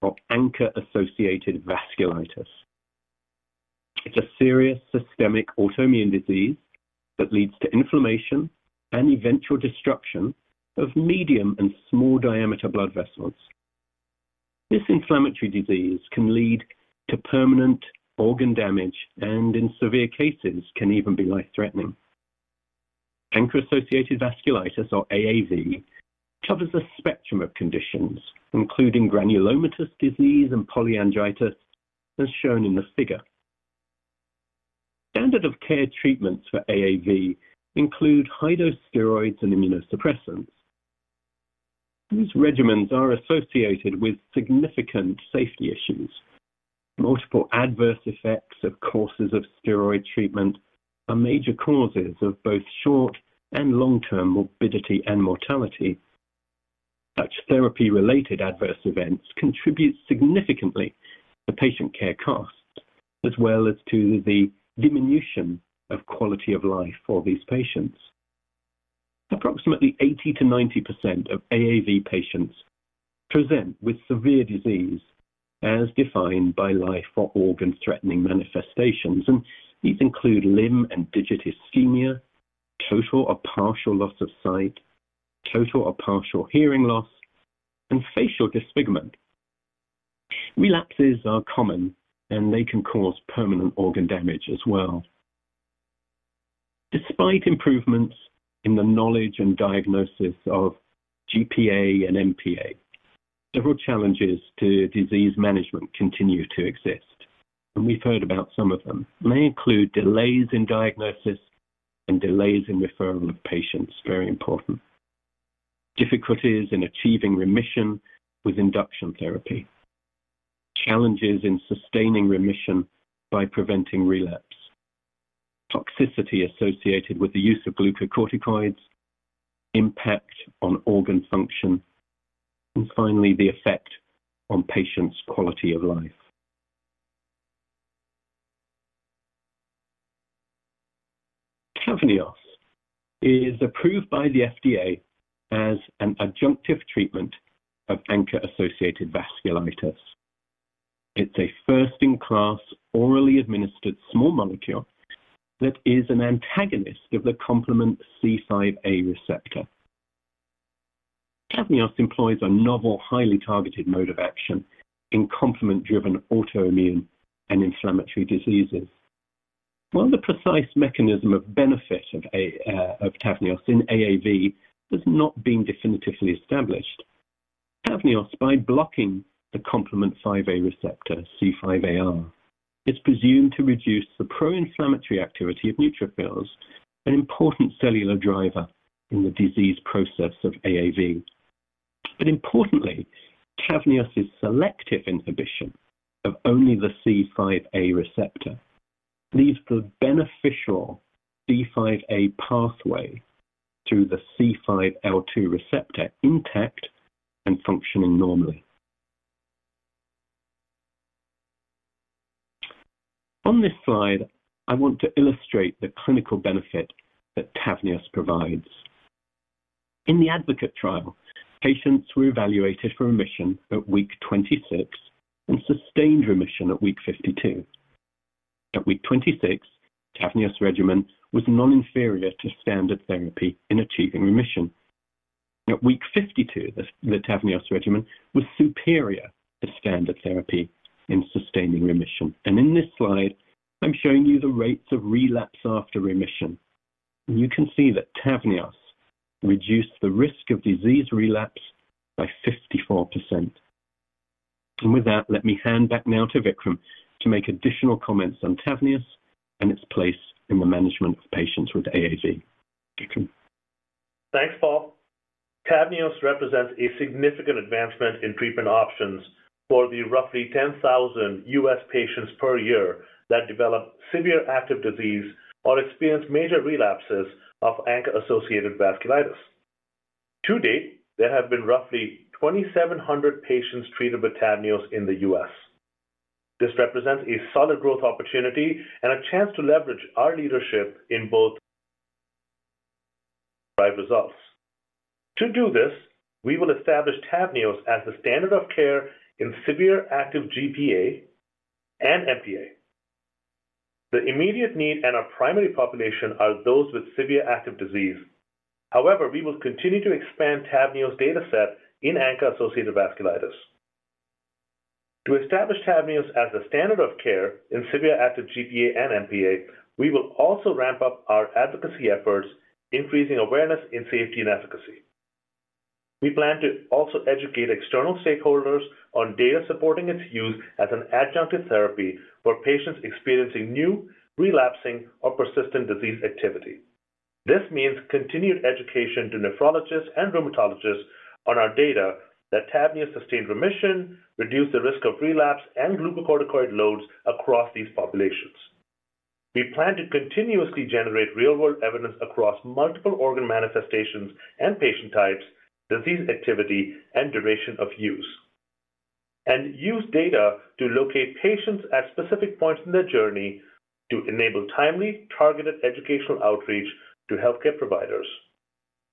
or ANCA-associated vasculitis. It's a serious systemic autoimmune disease that leads to inflammation and eventual destruction of medium and small-diameter blood vessels. This inflammatory disease can lead to permanent organ damage and, in severe cases, can even be life-threatening. ANCA-associated vasculitis, or AAV, covers a spectrum of conditions including granulomatosis with polyangiitis as shown in the figure. Standard-of-care treatments for AAV include high-dose steroids and immunosuppressants. These regimens are associated with significant safety issues. Multiple adverse effects of courses of steroid treatment are major causes of both short- and long-term morbidity and mortality. Such therapy-related adverse events contribute significantly to patient care costs as well as to the diminution of quality of life for these patients. Approximately 80%-90% of AAV patients present with severe disease as defined by life or organ-threatening manifestations, and these include limb and digit ischemia, total or partial loss of sight, total or partial hearing loss, and facial disfigurement. Relapses are common, and they can cause permanent organ damage as well. Despite improvements in the knowledge and diagnosis of GPA and MPA, several challenges to disease management continue to exist, and we've heard about some of them. They include delays in diagnosis and delays in referral of patients, very important, difficulties in achieving remission with induction therapy, challenges in sustaining remission by preventing relapse, toxicity associated with the use of glucocorticoids, impact on organ function, and finally, the effect on patients' quality of life. TAVNEOS is approved by the FDA as an adjunctive treatment of ANCA-associated vasculitis. It's a first-in-class orally administered small molecule that is an antagonist of the complement C5a receptor. TAVNEOS employs a novel, highly targeted mode of action in complement-driven autoimmune and inflammatory diseases. While the precise mechanism of benefit of TAVNEOS in AAV has not been definitively established, TAVNEOS, by blocking the complement 5a receptor, C5aR, is presumed to reduce the pro-inflammatory activity of neutrophils, an important cellular driver in the disease process of AAV. But importantly, TAVNEOS's selective inhibition of only the C5a receptor leaves the beneficial C5a pathway through the C5L2 receptor intact and functioning normally. On this slide, I want to illustrate the clinical benefit that TAVNEOS provides. In the ADVOCATE trial, patients were evaluated for remission at week 26 and sustained remission at week 52. At week 26, TAVNEOS regimen was non-inferior to standard therapy in achieving remission. At week 52, the TAVNEOS regimen was superior to standard therapy in sustaining remission. In this slide, I'm showing you the rates of relapse after remission, and you can see that TAVNEOS reduced the risk of disease relapse by 54%. With that, let me hand back now to Vikram to make additional comments on TAVNEOS and its place in the management of patients with AAV. Vikram. Thanks, Paul. TAVNEOS represents a significant advancement in treatment options for the roughly 10,000 US patients per year that develop severe active disease or experience major relapses of ANCA-associated vasculitis. To date, there have been roughly 2,700 patients treated with TAVNEOS in the US. This represents a solid growth opportunity and a chance to leverage our leadership in both results. To do this, we will establish TAVNEOS as the standard of care in severe active GPA and MPA. The immediate need and our primary population are those with severe active disease. However, we will continue to expand TAVNEOS's dataset in ANCA-associated vasculitis. To establish TAVNEOS as the standard of care in severe active GPA and MPA, we will also ramp up our advocacy efforts, increasing awareness in safety and efficacy. We plan to also educate external stakeholders on data supporting its use as an adjunctive therapy for patients experiencing new, relapsing, or persistent disease activity. This means continued education to nephrologists and rheumatologists on our data that TAVNEOS sustained remission, reduced the risk of relapse, and glucocorticoid loads across these populations. We plan to continuously generate real-world evidence across multiple organ manifestations and patient types, disease activity, and duration of use, and use data to locate patients at specific points in their journey to enable timely, targeted educational outreach to healthcare providers.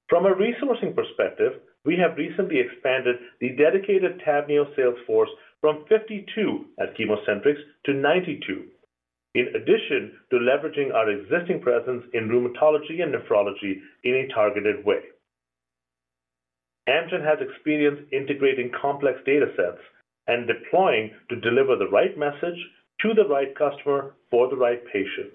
From a resourcing perspective, we have recently expanded the dedicated TAVNEOS sales force from 52 at ChemoCentryx to 92, in addition to leveraging our existing presence in rheumatology and nephrology in a targeted way. Amgen has experience integrating complex datasets and deploying to deliver the right message to the right customer for the right patient.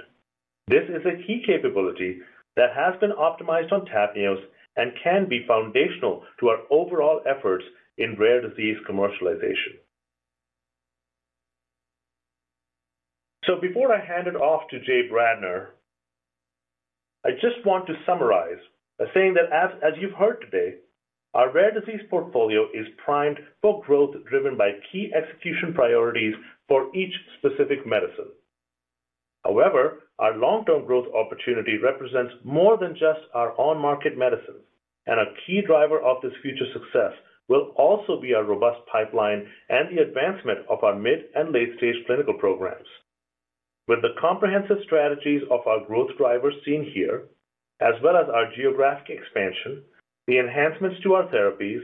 This is a key capability that has been optimized on TAVNEOS and can be foundational to our overall efforts in rare disease commercialization. Before I hand it off to Jay Bradner, I just want to summarize by saying that, as you've heard today, our rare disease portfolio is primed for growth driven by key execution priorities for each specific medicine. However, our long-term growth opportunity represents more than just our on-market medicines, and a key driver of this future success will also be our robust pipeline and the advancement of our mid and late-stage clinical programs. With the comprehensive strategies of our growth drivers seen here, as well as our geographic expansion, the enhancements to our therapies,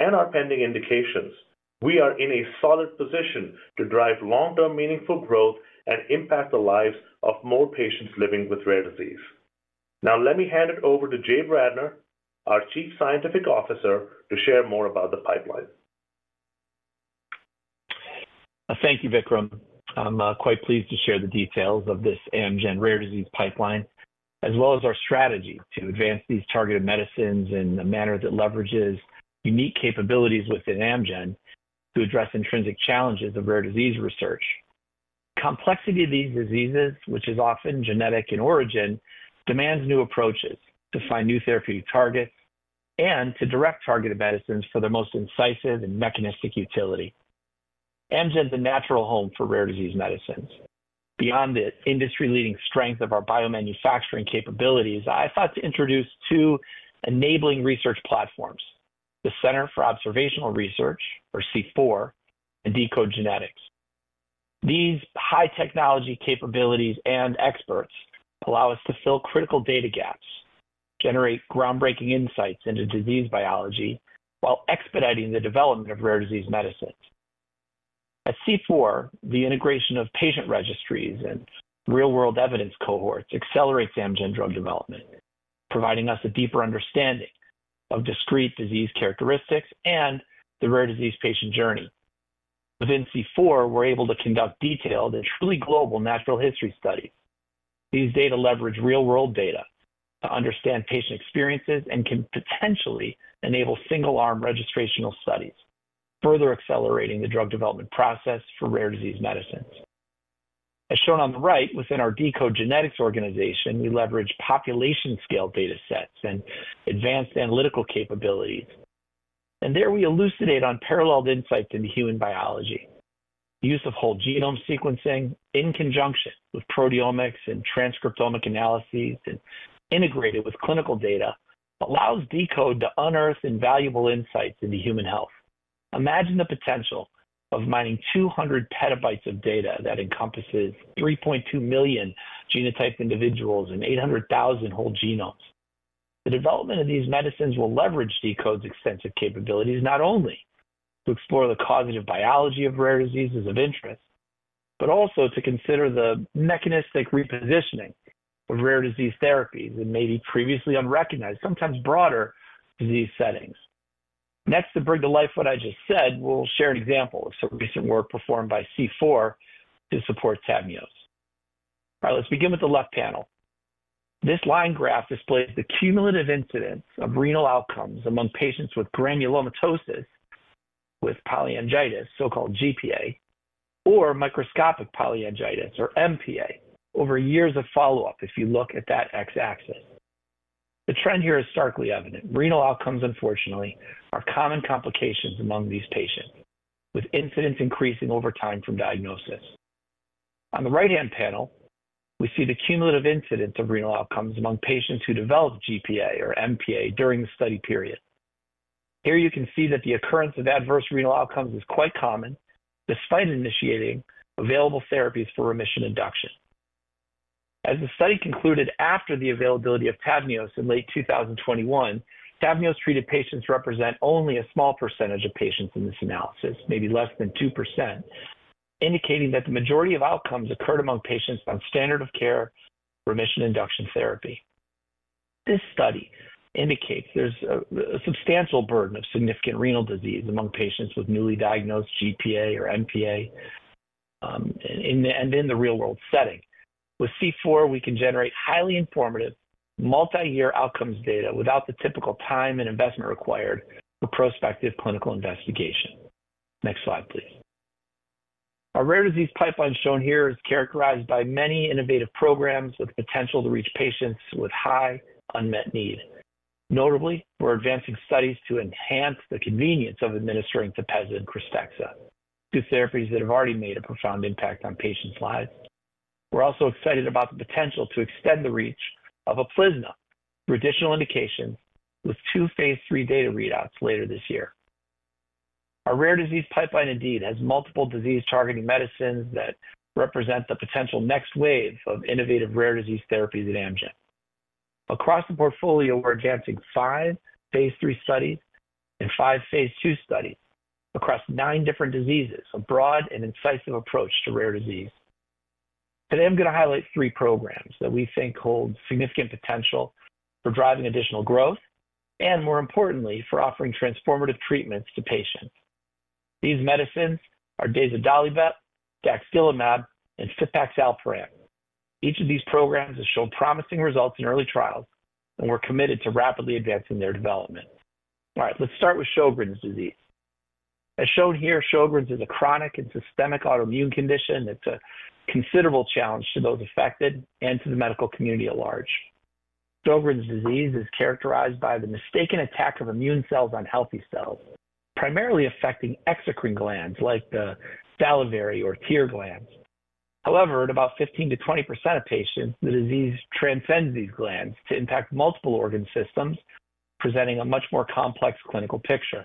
and our pending indications, we are in a solid position to drive long-term meaningful growth and impact the lives of more patients living with rare disease. Now, let me hand it over to Jay Bradner, our Chief Scientific Officer, to share more about the pipeline. Thank you, Vikram. I'm quite pleased to share the details of this Amgen rare disease pipeline, as well as our strategy to advance these targeted medicines in a manner that leverages unique capabilities within Amgen to address intrinsic challenges of rare disease research. The complexity of these diseases, which is often genetic in origin, demands new approaches to find new therapeutic targets and to direct targeted medicines for their most incisive and mechanistic utility. Amgen is a natural home for rare disease medicines. Beyond the industry-leading strength of our biomanufacturing capabilities, I thought to introduce two enabling research platforms: the Center for Observational Research, or CfOR, and deCODE genetics. These high-technology capabilities and experts allow us to fill critical data gaps, generate groundbreaking insights into disease biology, while expediting the development of rare disease medicines. At CfOR, the integration of patient registries and real-world evidence cohorts accelerates Amgen drug development, providing us a deeper understanding of discrete disease characteristics and the rare disease patient journey. Within CfOR, we're able to conduct detailed and truly global natural history studies. These data leverage real-world data to understand patient experiences and can potentially enable single-arm registrational studies, further accelerating the drug development process for rare disease medicines. As shown on the right, within our deCODE genetics organization, we leverage population-scale datasets and advanced analytical capabilities. There, we elucidate on paralleled insights into human biology. Use of whole genome sequencing in conjunction with proteomics and transcriptomic analyses, integrated with clinical data, allows deCODE genetics to unearth invaluable insights into human health. Imagine the potential of mining 200 PB of data that encompasses 3.2 million genotype individuals and 800,000 whole genomes. The development of these medicines will leverage deCODE's extensive capabilities not only to explore the causative biology of rare diseases of interest, but also to consider the mechanistic repositioning of rare disease therapies in maybe previously unrecognized, sometimes broader disease settings. Next, to bring to life what I just said, we'll share an example of some recent work performed by CfOR to support TAVNEOS. Let's begin with the left panel. This line graph displays the cumulative incidence of renal outcomes among patients with granulomatosis with polyangiitis, so-called GPA, or microscopic polyangiitis, or MPA, over years of follow-up if you look at that X-axis. The trend here is starkly evident. Renal outcomes, unfortunately, are common complications among these patients, with incidence increasing over time from diagnosis. On the right-hand panel, we see the cumulative incidence of renal outcomes among patients who developed GPA, or MPA, during the study period. Here, you can see that the occurrence of adverse renal outcomes is quite common despite initiating available therapies for remission induction. As the study concluded after the availability of TAVNEOS in late 2021, TAVNEOS-treated patients represent only a small percentage of patients in this analysis, maybe less than 2%, indicating that the majority of outcomes occurred among patients on standard-of-care remission induction therapy. This study indicates there's a substantial burden of significant renal disease among patients with newly diagnosed GPA, or MPA, and in the real-world setting. With CfOR, we can generate highly informative multi-year outcomes data without the typical time and investment required for prospective clinical investigation. Next slide, please. Our rare disease pipeline shown here is characterized by many innovative programs with potential to reach patients with high unmet need. Notably, we're advancing studies to enhance the convenience of administering TEPEZZA and KRYSTEXXA, two therapies that have already made a profound impact on patients' lives. We're also excited about the potential to extend the reach of UPLIZNA for additional indications with two phase III data readouts later this year. Our rare disease pipeline, indeed, has multiple disease-targeting medicines that represent the potential next wave of innovative rare disease therapies at Amgen. Across the portfolio, we're advancing five phase III studies and five phase II studies across nine different diseases, a broad and incisive approach to rare disease. Today, I'm going to highlight three programs that we think hold significant potential for driving additional growth and, more importantly, for offering transformative treatments to patients. These medicines are dazodalibep, daxdilimab, and fipaxalparant. Each of these programs has shown promising results in early trials, and we're committed to rapidly advancing their development. Let's start with Sjögren's disease. As shown here, Sjögren's is a chronic and systemic autoimmune condition that's a considerable challenge to those affected and to the medical community at large. Sjögren's disease is characterized by the mistaken attack of immune cells on healthy cells, primarily affecting exocrine glands like the salivary or tear glands. However, in about 15%-20% of patients, the disease transcends these glands to impact multiple organ systems, presenting a much more complex clinical picture.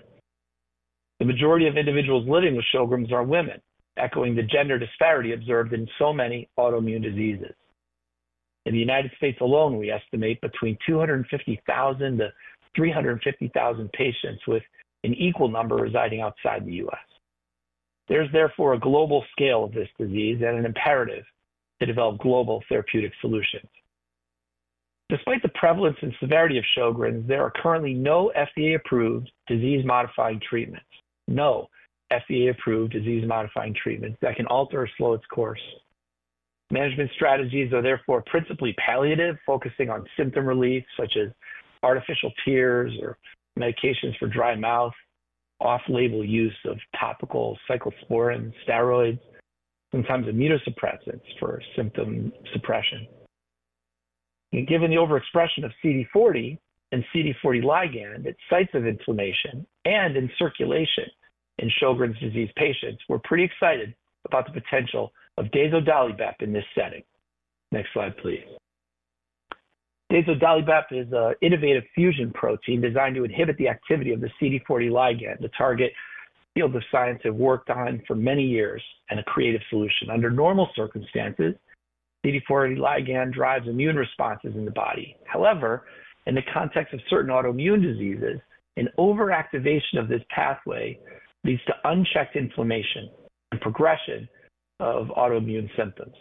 The majority of individuals living with Sjögren's are women, echoing the gender disparity observed in so many autoimmune diseases. In the United States alone, we estimate between 250,000-350,000 patients with an equal number residing outside the US There's, therefore, a global scale of this disease and an imperative to develop global therapeutic solutions. Despite the prevalence and severity of Sjögren's, there are currently no FDA-approved disease-modifying treatments, no FDA-approved disease-modifying treatments that can alter or slow its course. Management strategies are, therefore, principally palliative, focusing on symptom relief such as artificial tears or medications for dry mouth, off-label use of topical cyclosporin steroids, sometimes immunosuppressants for symptom suppression. Given the overexpression of CD40 and CD40 ligand at sites of inflammation and in circulation in Sjögren's disease patients, we're pretty excited about the potential of dazodalibep in this setting. Next slide, please. Dazodalibep is an innovative fusion protein designed to inhibit the activity of the CD40 ligand, the target field of science they've worked on for many years and a creative solution. Under normal circumstances, CD40 ligand drives immune responses in the body. However, in the context of certain autoimmune diseases, an overactivation of this pathway leads to unchecked inflammation and progression of autoimmune symptoms.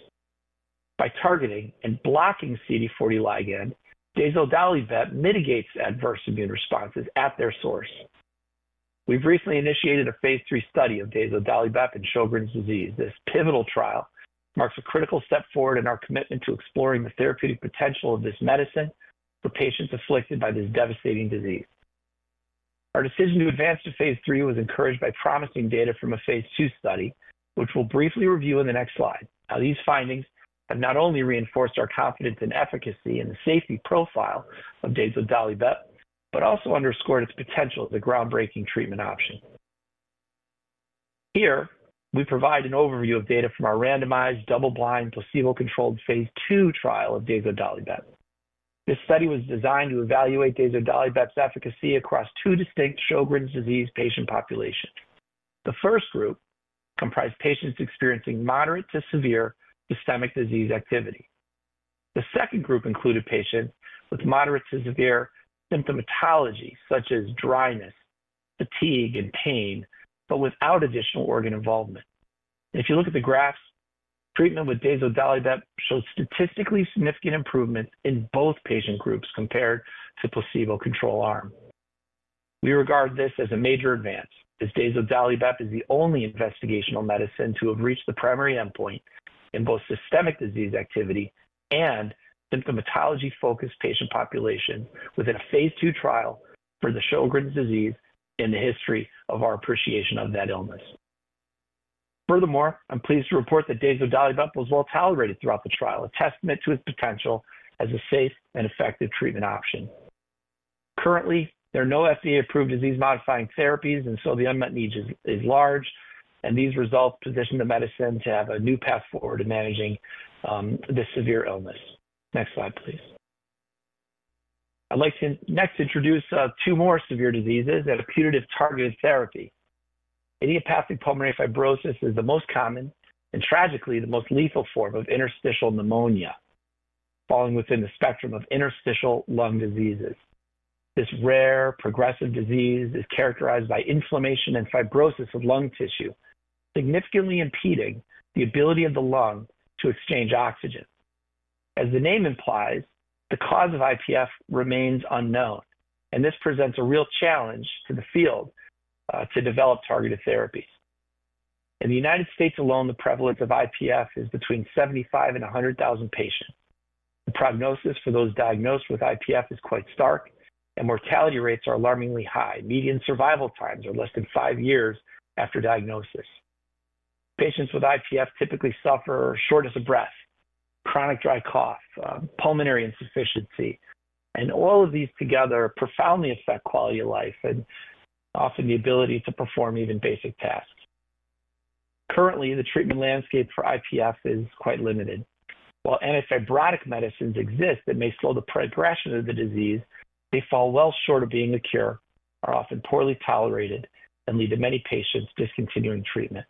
By targeting and blocking CD40 ligand, dazodalibep mitigates adverse immune responses at their source. We've recently initiated a phase III study of dazodalibep in Sjögren's disease. This pivotal trial marks a critical step forward in our commitment to exploring the therapeutic potential of this medicine for patients afflicted by this devastating disease. Our decision to advance to phase III was encouraged by promising data from a phase II study, which we'll briefly review in the next slide. Now, these findings have not only reinforced our confidence in efficacy and the safety profile of dazodalibep, but also underscored its potential as a groundbreaking treatment option. Here, we provide an overview of data from our randomized, double-blind, placebo-controlled phase II trial of dazodalibep. This study was designed to evaluate dazodalibep's efficacy across two distinct Sjögren's disease patient populations. The first group comprised patients experiencing moderate to severe systemic disease activity. The second group included patients with moderate to severe symptomatology, such as dryness, fatigue, and pain, but without additional organ involvement. If you look at the graphs, treatment with dazodalibep showed statistically significant improvements in both patient groups compared to placebo-controlled arm. We regard this as a major advance, as dazodalibep is the only investigational medicine to have reached the primary endpoint in both systemic disease activity and symptomatology-focused patient populations within a phase II trial for the Sjögren's disease in the history of our appreciation of that illness. Furthermore, I'm pleased to report that dazodalibep was well tolerated throughout the trial, a testament to its potential as a safe and effective treatment option. Currently, there are no FDA-approved disease-modifying therapies, and so the unmet need is large, and these results position the medicine to have a new path forward in managing this severe illness. Next slide, please. I'd like to next introduce two more severe diseases at a putative targeted therapy. Idiopathic pulmonary fibrosis is the most common and, tragically, the most lethal form of interstitial pneumonia, falling within the spectrum of interstitial lung diseases. This rare, progressive disease is characterized by inflammation and fibrosis of lung tissue, significantly impeding the ability of the lung to exchange oxygen. As the name implies, the cause of IPF remains unknown, and this presents a real challenge to the field to develop targeted therapies. In the United States alone, the prevalence of IPF is between 75,000 and 100,000 patients. The prognosis for those diagnosed with IPF is quite stark, and mortality rates are alarmingly high. Median survival times are less than five years after diagnosis. Patients with IPF typically suffer shortness of breath, chronic dry cough, pulmonary insufficiency, and all of these together profoundly affect quality of life and often the ability to perform even basic tasks. Currently, the treatment landscape for IPF is quite limited. While antifibrotic medicines exist that may slow the progression of the disease, they fall well short of being a cure, are often poorly tolerated, and lead to many patients discontinuing treatment.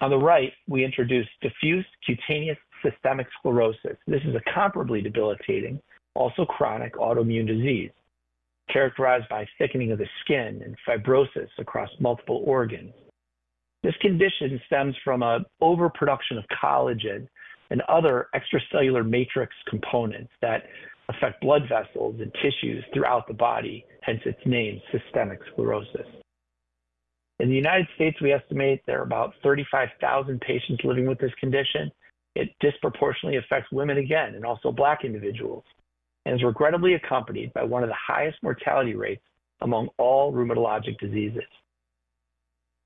On the right, we introduce diffuse cutaneous systemic sclerosis. This is a comparably debilitating, also chronic autoimmune disease characterized by thickening of the skin and fibrosis across multiple organs. This condition stems from an overproduction of collagen and other extracellular matrix components that affect blood vessels and tissues throughout the body, hence its name, systemic sclerosis. In the United States, we estimate there are about 35,000 patients living with this condition. It disproportionately affects women, again, and also black individuals, and is regrettably accompanied by one of the highest mortality rates among all rheumatologic diseases.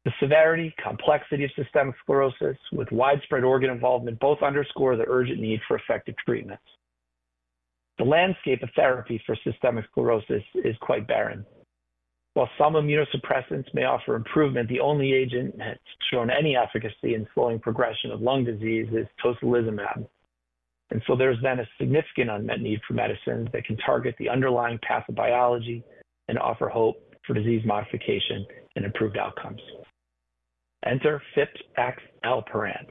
The severity and complexity of systemic sclerosis with widespread organ involvement both underscore the urgent need for effective treatments. The landscape of therapy for systemic sclerosis is quite barren. While some immunosuppressants may offer improvement, the only agent that's shown any efficacy in slowing progression of lung disease is tocilizumab. There's then a significant unmet need for medicines that can target the underlying pathobiology and offer hope for disease modification and improved outcomes. Enter fipaxalparant,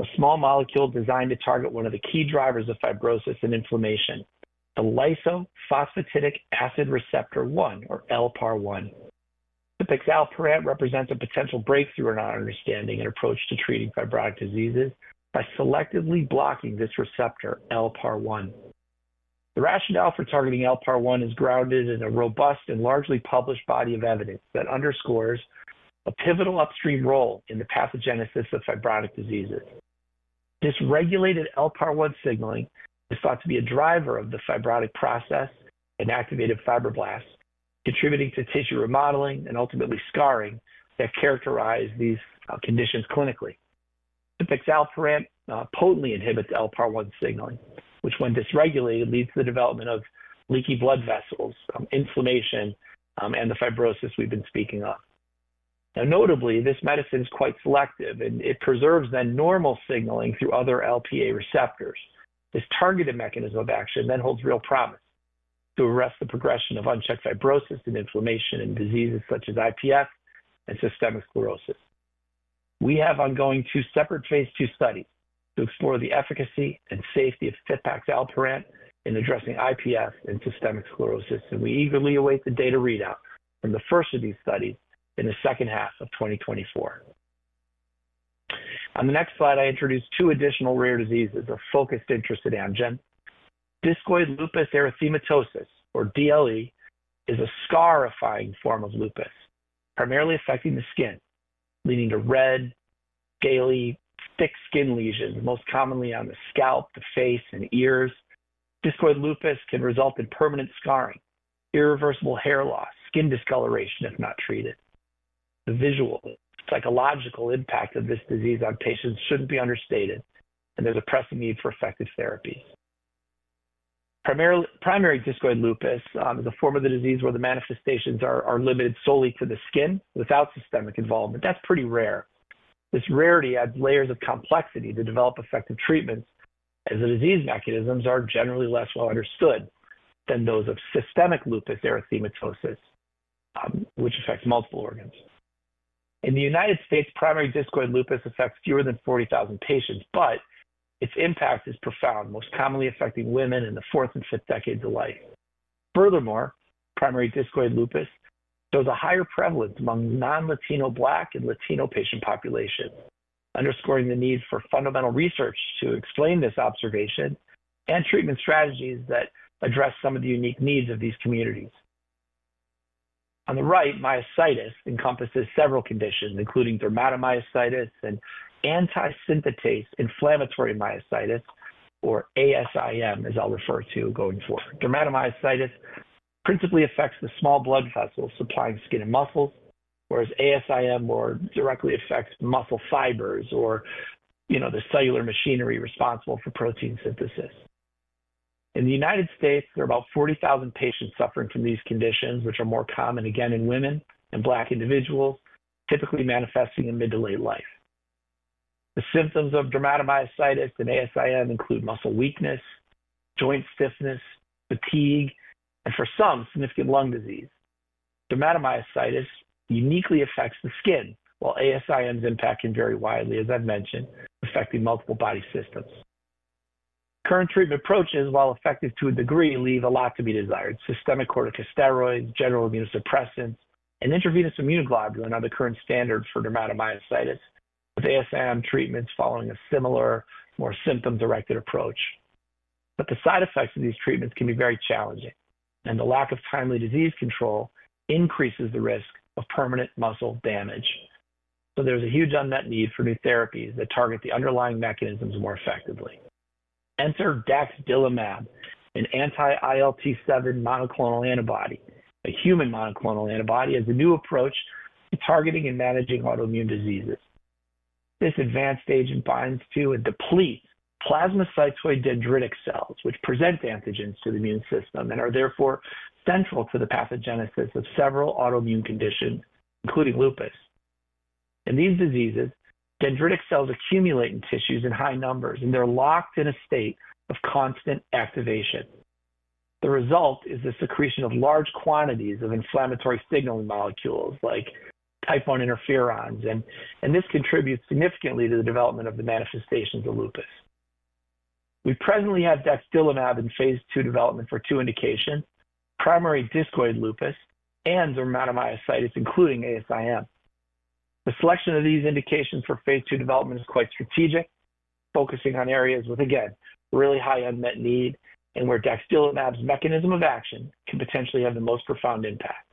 a small molecule designed to target one of the key drivers of fibrosis and inflammation, the Lysophosphatidic Acid Receptor 1, or LPAR1. Fipaxalparant represents a potential breakthrough in our understanding and approach to treating fibrotic diseases by selectively blocking this receptor, LPAR1. The rationale for targeting LPAR1 is grounded in a robust and largely published body of evidence that underscores a pivotal upstream role in the pathogenesis of fibrotic diseases. This regulated LPAR1 signaling is thought to be a driver of the fibrotic process and activated fibroblasts, contributing to tissue remodeling and ultimately scarring that characterize these conditions clinically. Fipaxalparant potently inhibits LPAR1 signaling, which, when dysregulated, leads to the development of leaky blood vessels, inflammation, and the fibrosis we've been speaking of. Notably, this medicine is quite selective, and it preserves the normal signaling through other LPA receptors. This targeted mechanism of action then holds real promise to arrest the progression of unchecked fibrosis and inflammation in diseases such as IPF and systemic sclerosis. We have ongoing two separate phase II studies to explore the efficacy and safety of fipaxalparant in addressing IPF and systemic sclerosis, and we eagerly await the data readout from the first of these studies in the second half of 2024. On the next slide, I introduce two additional rare diseases of focused interest at Amgen. Discoid lupus erythematosus, or DLE, is a scarring form of lupus, primarily affecting the skin, leading to red, scaly, thick skin lesions, most commonly on the scalp, the face, and ears. Discoid lupus can result in permanent scarring, irreversible hair loss, and skin discoloration if not treated. The visual and psychological impact of this disease on patients shouldn't be understated, and there's a pressing need for effective therapies. Primary discoid lupus is a form of the disease where the manifestations are limited solely to the skin without systemic involvement. That's pretty rare. This rarity adds layers of complexity to develop effective treatments, as the disease mechanisms are generally less well understood than those of systemic lupus erythematosus, which affects multiple organs. In the United States, primary discoid lupus affects fewer than 40,000 patients, but its impact is profound, most commonly affecting women in the fourth and fifth decades of life. Furthermore, primary discoid lupus shows a higher prevalence among non-Latino Black and Latino patient populations, underscoring the need for fundamental research to explain this observation and treatment strategies that address some of the unique needs of these communities. On the right, myositis encompasses several conditions, including dermatomyositis and antisynthetase inflammatory myositis, or ASIM, as I'll refer to going forward. Dermatomyositis principally affects the small blood vessels supplying skin and muscles, whereas ASIM more directly affects muscle fibers or the cellular machinery responsible for protein synthesis. In the United States, there are about 40,000 patients suffering from these conditions, which are more common, again, in women and Black individuals, typically manifesting in mid to late life. The symptoms of dermatomyositis and ASIM include muscle weakness, joint stiffness, fatigue, and for some, significant lung disease. Dermatomyositis uniquely affects the skin, while ASIM's impact can vary widely, as I've mentioned, affecting multiple body systems. Current treatment approaches, while effective to a degree, leave a lot to be desired. Systemic corticosteroids, general immunosuppressants, and intravenous immunoglobulin are the current standard for dermatomyositis with ASIM treatments following a similar, more symptom-directed approach. But the side effects of these treatments can be very challenging, and the lack of timely disease control increases the risk of permanent muscle damage. There's a huge unmet need for new therapies that target the underlying mechanisms more effectively. Enter daxdilimab, an anti-ILT7 monoclonal antibody, a human monoclonal antibody as a new approach to targeting and managing autoimmune diseases. This advanced agent binds to and depletes plasmacytoid dendritic cells, which present antigens to the immune system and are therefore central to the pathogenesis of several autoimmune conditions, including lupus. In these diseases, dendritic cells accumulate in tissues in high numbers, and they're locked in a state of constant activation. The result is the secretion of large quantities of inflammatory signaling molecules like type I interferons, and this contributes significantly to the development of the manifestations of lupus. We presently have daxdilimab in phase II development for two indications: primary discoid lupus and dermatomyositis, including ASIM. The selection of these indications for phase II development is quite strategic, focusing on areas with, again, really high unmet need and where daxdilimab's mechanism of action can potentially have the most profound impact.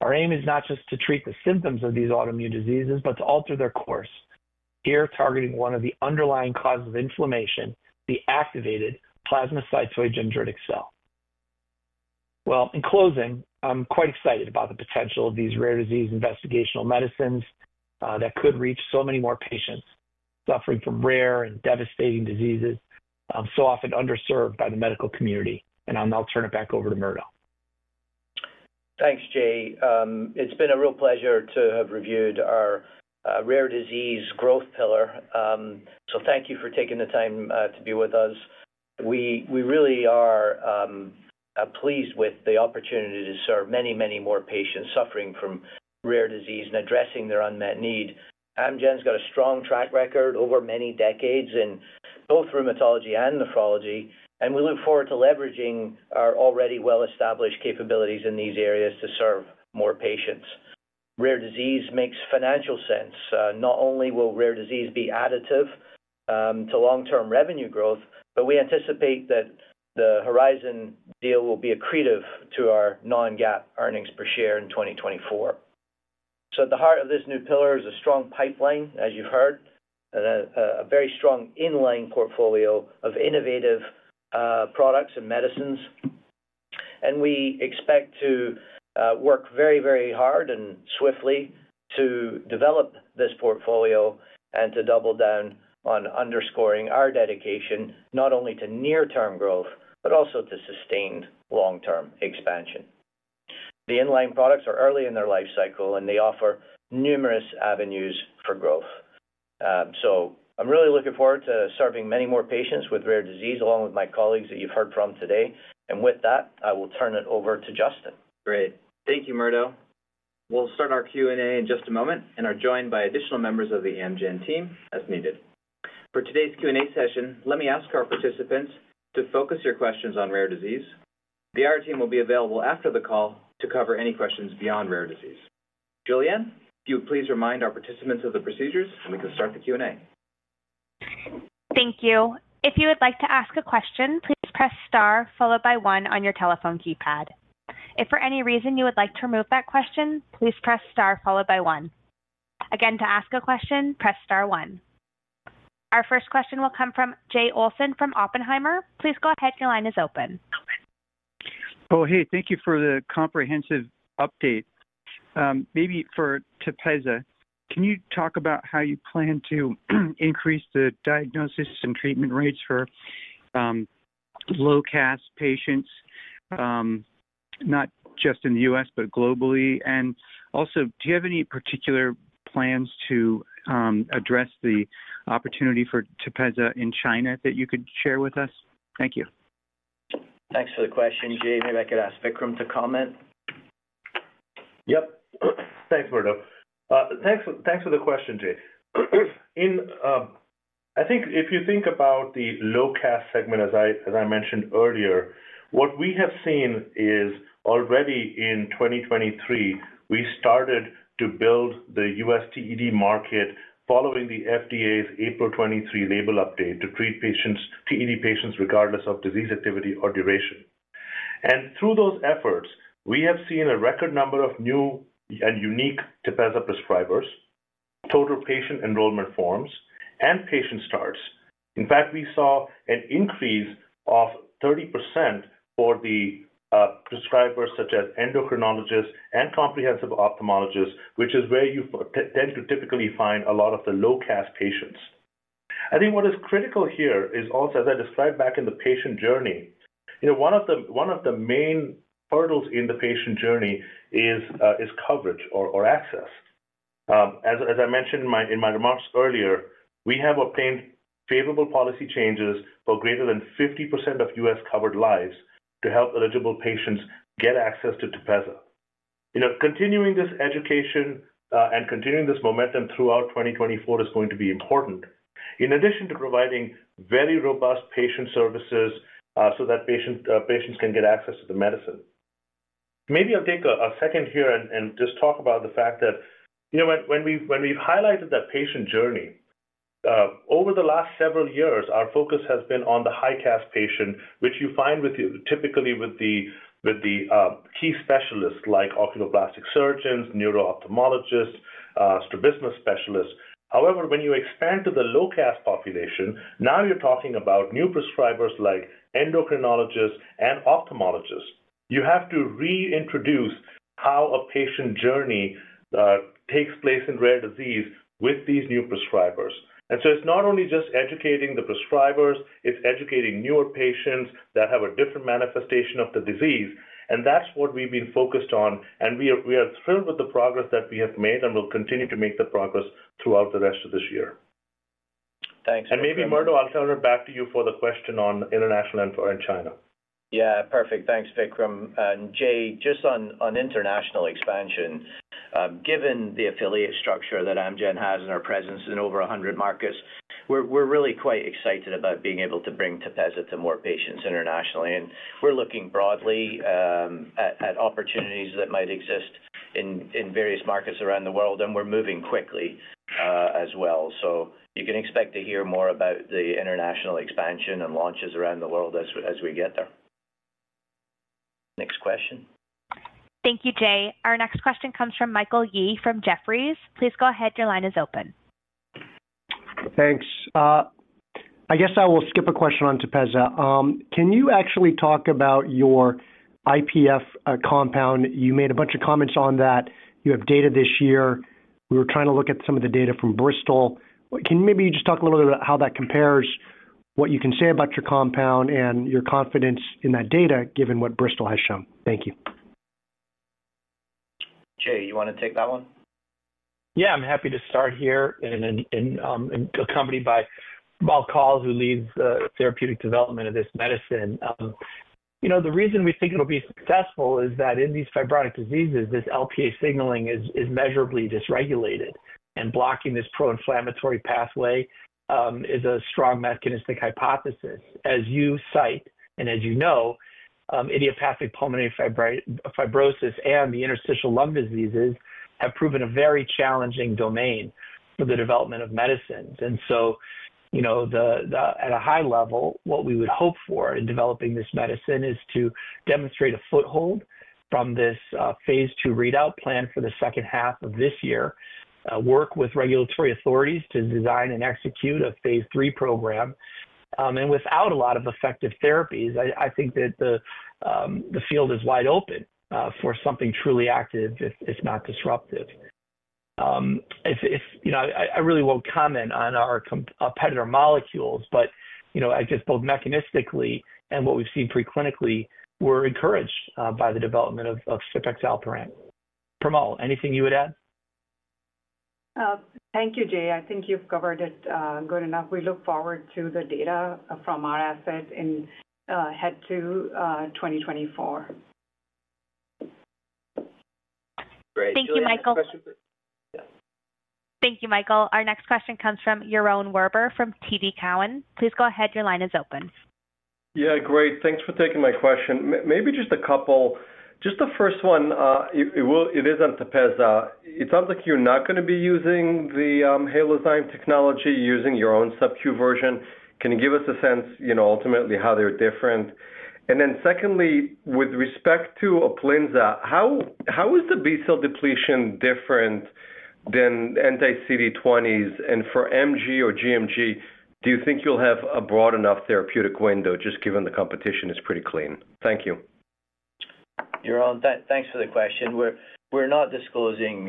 Our aim is not just to treat the symptoms of these autoimmune diseases, but to alter their course, here targeting one of the underlying causes of inflammation, the activated plasmacytoid dendritic cell. In closing, I'm quite excited about the potential of these rare disease investigational medicines that could reach so many more patients suffering from rare and devastating diseases, so often underserved by the medical community. I'll turn it back over to Murdo. Thanks, Jay. It's been a real pleasure to have reviewed our rare disease growth pillar. Thank you for taking the time to be with us. We really are pleased with the opportunity to serve many, many more patients suffering from rare disease and addressing their unmet need. Amgen's got a strong track record over many decades in both rheumatology and nephrology, and we look forward to leveraging our already well-established capabilities in these areas to serve more patients. Rare disease makes financial sense. Not only will rare disease be additive to long-term revenue growth, but we anticipate that the Horizon deal will be accretive to our non-GAAP earnings per share in 2024. At the heart of this new pillar is a strong pipeline, as you've heard, a very strong inline portfolio of innovative products and medicines. We expect to work very, very hard and swiftly to develop this portfolio and to double down on underscoring our dedication not only to near-term growth, but also to sustained long-term expansion. The in-line products are early in their life cycle, and they offer numerous avenues for growth. I'm really looking forward to serving many more patients with rare disease along with my colleagues that you've heard from today. With that, I will turn it over to Justin. Great. Thank you, Murdo. We'll start our Q&A in just a moment, and I'll join by additional members of the Amgen team as needed. For today's Q&A session, let me ask our participants to focus your questions on rare disease. The IR team will be available after the call to cover any questions beyond rare disease. Julie Ann, if you would please remind our participants of the procedures, and we can start the Q&A. Thank you. If you would like to ask a question, please press star followed by one on your telephone keypad. If for any reason you would like to remove that question, please press star followed by one. Again, to ask a question, press star one. Our first question will come from Jay Olson from Oppenheimer. Please go ahead. Your line is open. Hey, thank you for the comprehensive update. Maybe for TEPEZZA, can you talk about how you plan to increase the diagnosis and treatment rates for low CAS patients, not just in the US but globally? Also, do you have any particular plans to address the opportunity for TEPEZZA in China that you could share with us? Thank you. Thanks for the question, Jay. Maybe I could ask Vikram to comment. Yep. Thanks, Murdo. Thanks for the question, Jay. I think if you think about the low CAS segment, as I mentioned earlier, what we have seen is already in 2023, we started to build the US TED market following the FDA's April 2023 label update to treat TED patients regardless of disease activity or duration. Through those efforts, we have seen a record number of new and unique TEPEZZA prescribers, total patient enrollment forms, and patient starts. In fact, we saw an increase of 30% for the prescribers such as endocrinologists and comprehensive ophthalmologists, which is where you tend to typically find a lot of the low CAS patients. I think what is critical here is also, as I described back in the patient journey, one of the main hurdles in the patient journey is coverage or access. As I mentioned in my remarks earlier, we have obtained favorable policy changes for greater than 50% of US-covered lives to help eligible patients get access to TEPEZZA. Continuing this education and continuing this momentum throughout 2024 is going to be important, in addition to providing very robust patient services so that patients can get access to the medicine. Maybe I'll take a second here and just talk about the fact that when we've highlighted that patient journey, over the last several years, our focus has been on the high CAS patient, which you find typically with the key specialists like oculoplastic surgeons, neuroophthalmologists, strabismus specialists. However, when you expand to the low CAS population, now you're talking about new prescribers like endocrinologists and ophthalmologists. You have to reintroduce how a patient journey takes place in rare disease with these new prescribers. It's not only just educating the prescribers, it's educating newer patients that have a different manifestation of the disease, and that's what we've been focused on. We are thrilled with the progress that we have made and will continue to make the progress throughout the rest of this year. Thanks. Maybe, Murdo, I'll turn it back to you for the question on international and China. Yeah, perfect. Thanks, Vikram. Jay, just on international expansion, given the affiliate structure that Amgen has and our presence in over 100 markets, we're really quite excited about being able to bring TEPEZZA to more patients internationally. We're looking broadly at opportunities that might exist in various markets around the world, and we're moving quickly as well. You can expect to hear more about the international expansion and launches around the world as we get there. Next question. Thank you, Jay. Our next question comes from Michael Yee from Jefferies. Please go ahead. Your line is open. Thanks. I guess I will skip a question on TEPEZZA. Can you actually talk about your IPF compound? You made a bunch of comments on that. You have data this year. We were trying to look at some of the data from Bristol. Can maybe you just talk a little bit about how that compares, what you can say about your compound, and your confidence in that data given what Bristol has shown? Thank you. Jay, you want to take that one? Yeah, I'm happy to start here, accompanied by Paul Burton, who leads the therapeutic development of this medicine. The reason we think it'll be successful is that in these fibrotic diseases, this LPA signaling is measurably dysregulated, and blocking this pro-inflammatory pathway is a strong mechanistic hypothesis. As you cite and as you know, idiopathic pulmonary fibrosis and the interstitial lung diseases have proven a very challenging domain for the development of medicines. At a high level, what we would hope for in developing this medicine is to demonstrate a foothold from this phase II readout plan for the second half of this year, work with regulatory authorities to design and execute a phase III program. Without a lot of effective therapies, I think that the field is wide open for something truly active if not disruptive. I really won't comment on our competitor molecules, but I guess both mechanistically and what we've seen preclinically, we're encouraged by the development of fipaxalparant. Primal, anything you would add? Thank you, Jay. I think you've covered it good enough. We look forward to the data from our asset head to 2024. Thank you, Michael. Thank you, Michael. Our next question comes from Yaron Werber from TD Cowen. Please go ahead. Your line is open. Yeah, great. Thanks for taking my question. Maybe just a couple. Just the first one, it is on TEPEZZA. It sounds like you're not going to be using the Halozyme technology, using your own sub-Q version. Can you give us a sense, ultimately, how they're different? Then secondly, with respect to UPLIZNA, how is the B-cell depletion different than anti-CD20s? For MG or GMG, do you think you'll have a broad enough therapeutic window, just given the competition is pretty clean? Thank you. Yaron, thanks for the question. We're not disclosing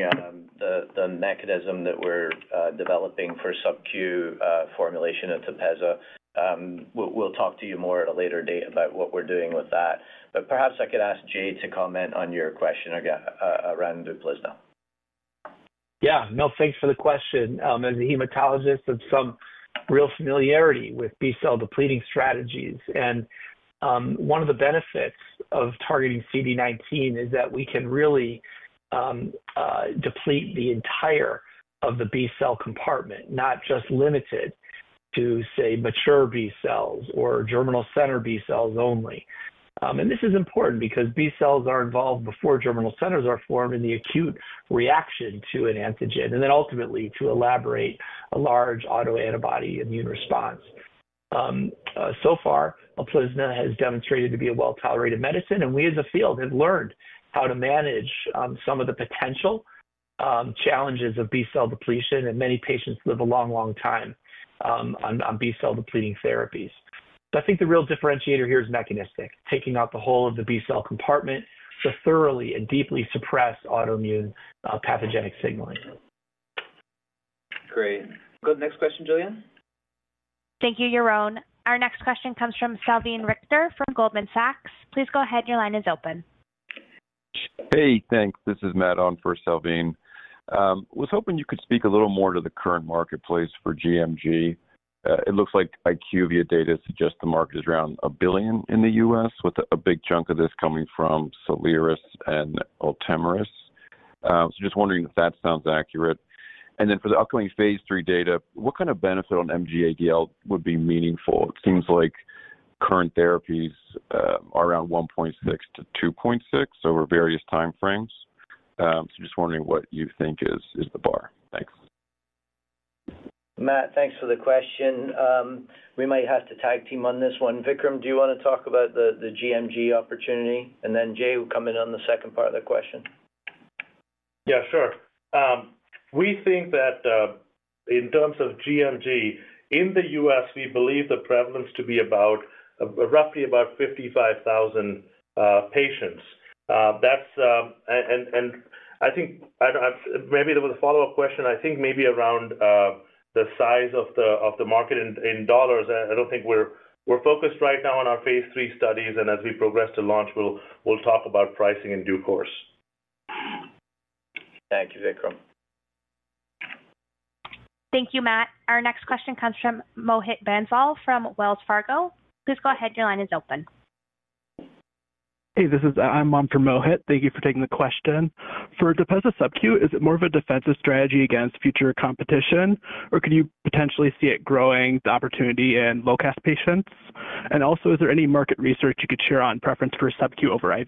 the mechanism that we're developing for sub-Q formulation at TEPEZZA. We'll talk to you more at a later date about what we're doing with that. Perhaps I could ask Jay to comment on your question around UPLIZNA. Yeah, thanks for the question. As a hematologist, I have some real familiarity with B-cell depleting strategies. One of the benefits of targeting CD19 is that we can really deplete the entirety of the B-cell compartment, not just limited to, say, mature B-cells or germinal center B-cells only. This is important because B-cells are involved before germinal centers are formed in the acute reaction to an antigen and then ultimately to elaborate a large autoantibody immune response. So far, UPLIZNA has demonstrated to be a well-tolerated medicine, and we as a field have learned how to manage some of the potential challenges of B-cell depletion. Many patients live a long, long time on B-cell depleting therapies. I think the real differentiator here is mechanistic, taking out the whole of the B-cell compartment to thoroughly and deeply suppress autoimmune pathogenic signaling. Great. Next question, Julie Ann. Thank you, Yaron. Our next question comes from Salveen Richter from Goldman Sachs. Please go ahead. Your line is open. Hey, thanks. This is Matt Sykes for Salveen. I was hoping you could speak a little more to the current marketplace for GMG. It looks like IQVIA data suggests the market is around a billion in the US, with a big chunk of this coming from Soliris and Ultomiris. Just wondering if that sounds accurate. Then for the upcoming phase III data, what kind of benefit on MG-ADL would be meaningful? It seems like current therapies are around 1.6-2.6 over various time frames. Just wondering what you think is the bar. Thanks. Matt, thanks for the question. We might have to tag team on this one. Vikram, do you want to talk about the GMG opportunity? Then Jay will come in on the second part of the question. Yeah, sure. We think that in terms of GMG, in the US, we believe the prevalence to be roughly about 55,000 patients. I think maybe there was a follow-up question. I think maybe around the size of the market in dollars. I don't think we're focused right now on our phase III studies, and as we progress to launch, we'll talk about pricing in due course. Thank you, Vikram. Thank you, Matt. Our next question comes from Mohit Bansal from Wells Fargo. Please go ahead. Your line is open. Hey, I'm Mohit from Wells Fargo. Thank you for taking the question. For TEPEZZA sub-Q, is it more of a defensive strategy against future competition, or could you potentially see it growing the opportunity in low CAS patients? Also, is there any market research you could share on preference for sub-Q over IV?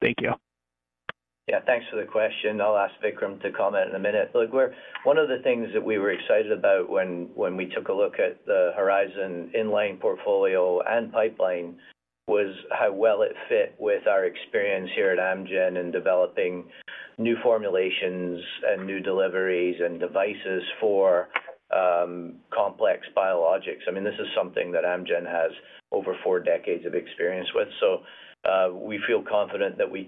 Thank you. Yeah, thanks for the question. I'll ask Vikram to comment in a minute. One of the things that we were excited about when we took a look at the Horizon in-line portfolio and pipeline was how well it fit with our experience here at Amgen in developing new formulations and new deliveries and devices for complex biologics. This is something that Amgen has over four decades of experience with. We feel confident that we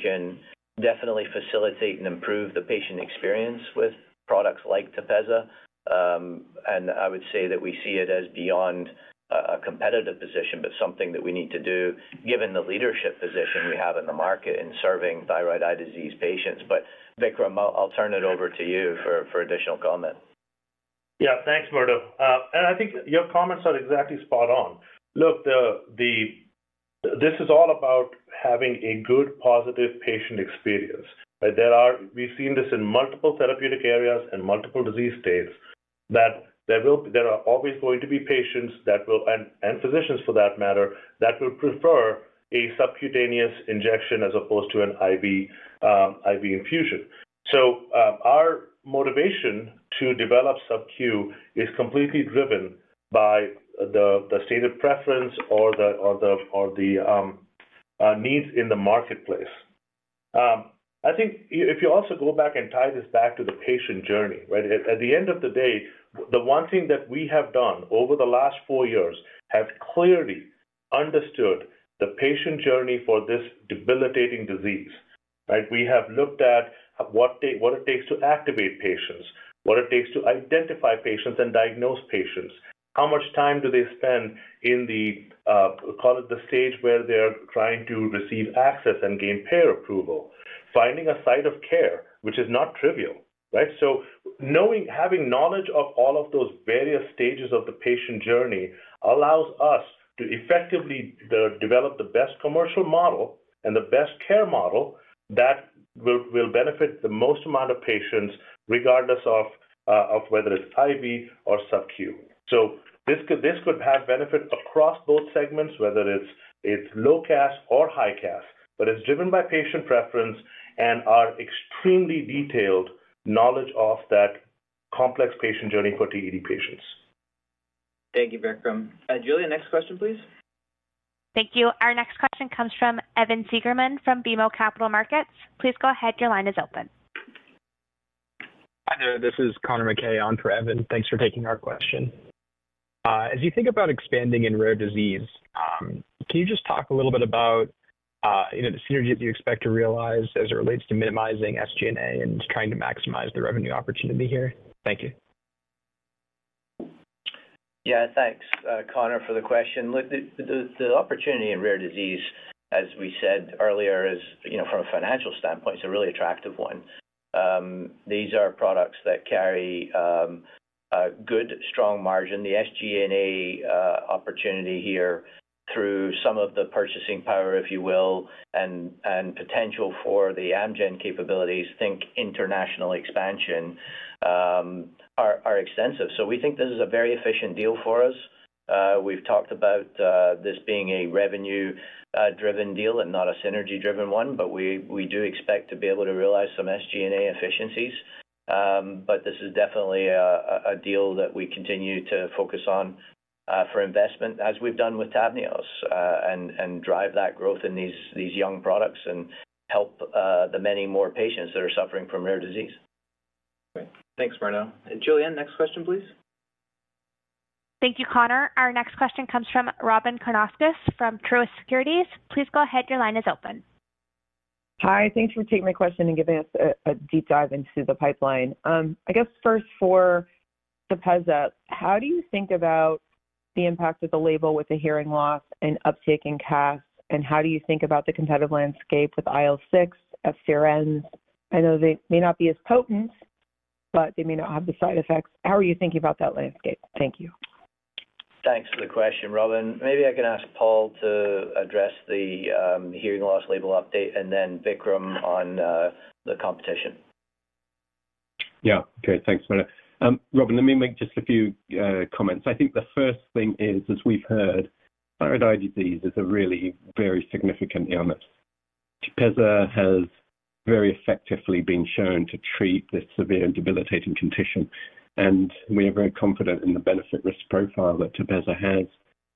can definitely facilitate and improve the patient experience with products like TEPEZZA. I would say that we see it as beyond a competitive position, but something that we need to do given the leadership position we have in the market in serving thyroid eye disease patients. Vikram, I'll turn it over to you for additional comment. Yeah, thanks, Murdo. I think your comments are exactly spot on. This is all about having a good, positive patient experience. We've seen this in multiple therapeutic areas and multiple disease states that there are always going to be patients and physicians, for that matter, that will prefer a subcutaneous injection as opposed to an IV infusion. Our motivation to develop sub-Q is completely driven by the state of preference or the needs in the marketplace. I think if you also go back and tie this back to the patient journey, at the end of the day, the one thing that we have done over the last four years is clearly understand the patient journey for this debilitating disease. We have looked at what it takes to activate patients, what it takes to identify patients and diagnose patients, how much time do they spend in the stage where they're trying to receive access and gain payer approval, finding a site of care which is not trivial. Having knowledge of all of those various stages of the patient journey allows us to effectively develop the best commercial model and the best care model that will benefit the most amount of patients, regardless of whether it's IV or sub-Q. This could have benefits across both segments, whether it's low CAS or high CAS, but it's driven by patient preference and our extremely detailed knowledge of that complex patient journey for TED patients. Thank you, Vikram. Julie Ann, next question, please. Thank you. Our next question comes from Evan Seigerman from BMO Capital Markets. Please go ahead. Your line is open. Hi there. This is Conor MacKay on for Evan. Thanks for taking our question. As you think about expanding in rare disease, can you just talk a little bit about the synergy that you expect to realize as it relates to minimizing SG&A and trying to maximize the revenue opportunity here? Thank you. Yeah, thanks, Connor, for the question. The opportunity in rare disease, as we said earlier, from a financial standpoint, is a really attractive one. These are products that carry a good, strong margin. The SG&A opportunity here through some of the purchasing power, if you will, and potential for the Amgen capabilities, think international expansion, are extensive. We think this is a very efficient deal for us. We've talked about this being a revenue-driven deal and not a synergy-driven one, but we do expect to be able to realize some SG&A efficiencies. This is definitely a deal that we continue to focus on for investment, as we've done with TAVNEOS, and drive that growth in these young products and help the many more patients that are suffering from rare disease. Thanks, Murdo. Julie Ann, next question, please. Thank you, Conor. Our next question comes from Robyn Karnauskas from Truist Securities. Please go ahead. Your line is open. Hi. Thanks for taking my question and giving us a deep dive into the pipeline. I guess first, for TEPEZZA, how do you think about the impact of the label with the hearing loss and uptaking CAS? How do you think about the competitive landscape with IL-6, FcRns? I know they may not be as potent, but they may not have the side effects. How are you thinking about that landscape? Thank you. Thanks for the question, Robyn. Maybe I can ask Paul to address the hearing loss label update and then Vikram on the competition. Yeah, okay. Thanks, Murdo. Robyn, let me make just a few comments. I think the first thing is, as we've heard, thyroid eye disease is a really very significant illness. TEPEZZA has very effectively been shown to treat this severe and debilitating condition, and we are very confident in the benefit-risk profile that TEPEZZA has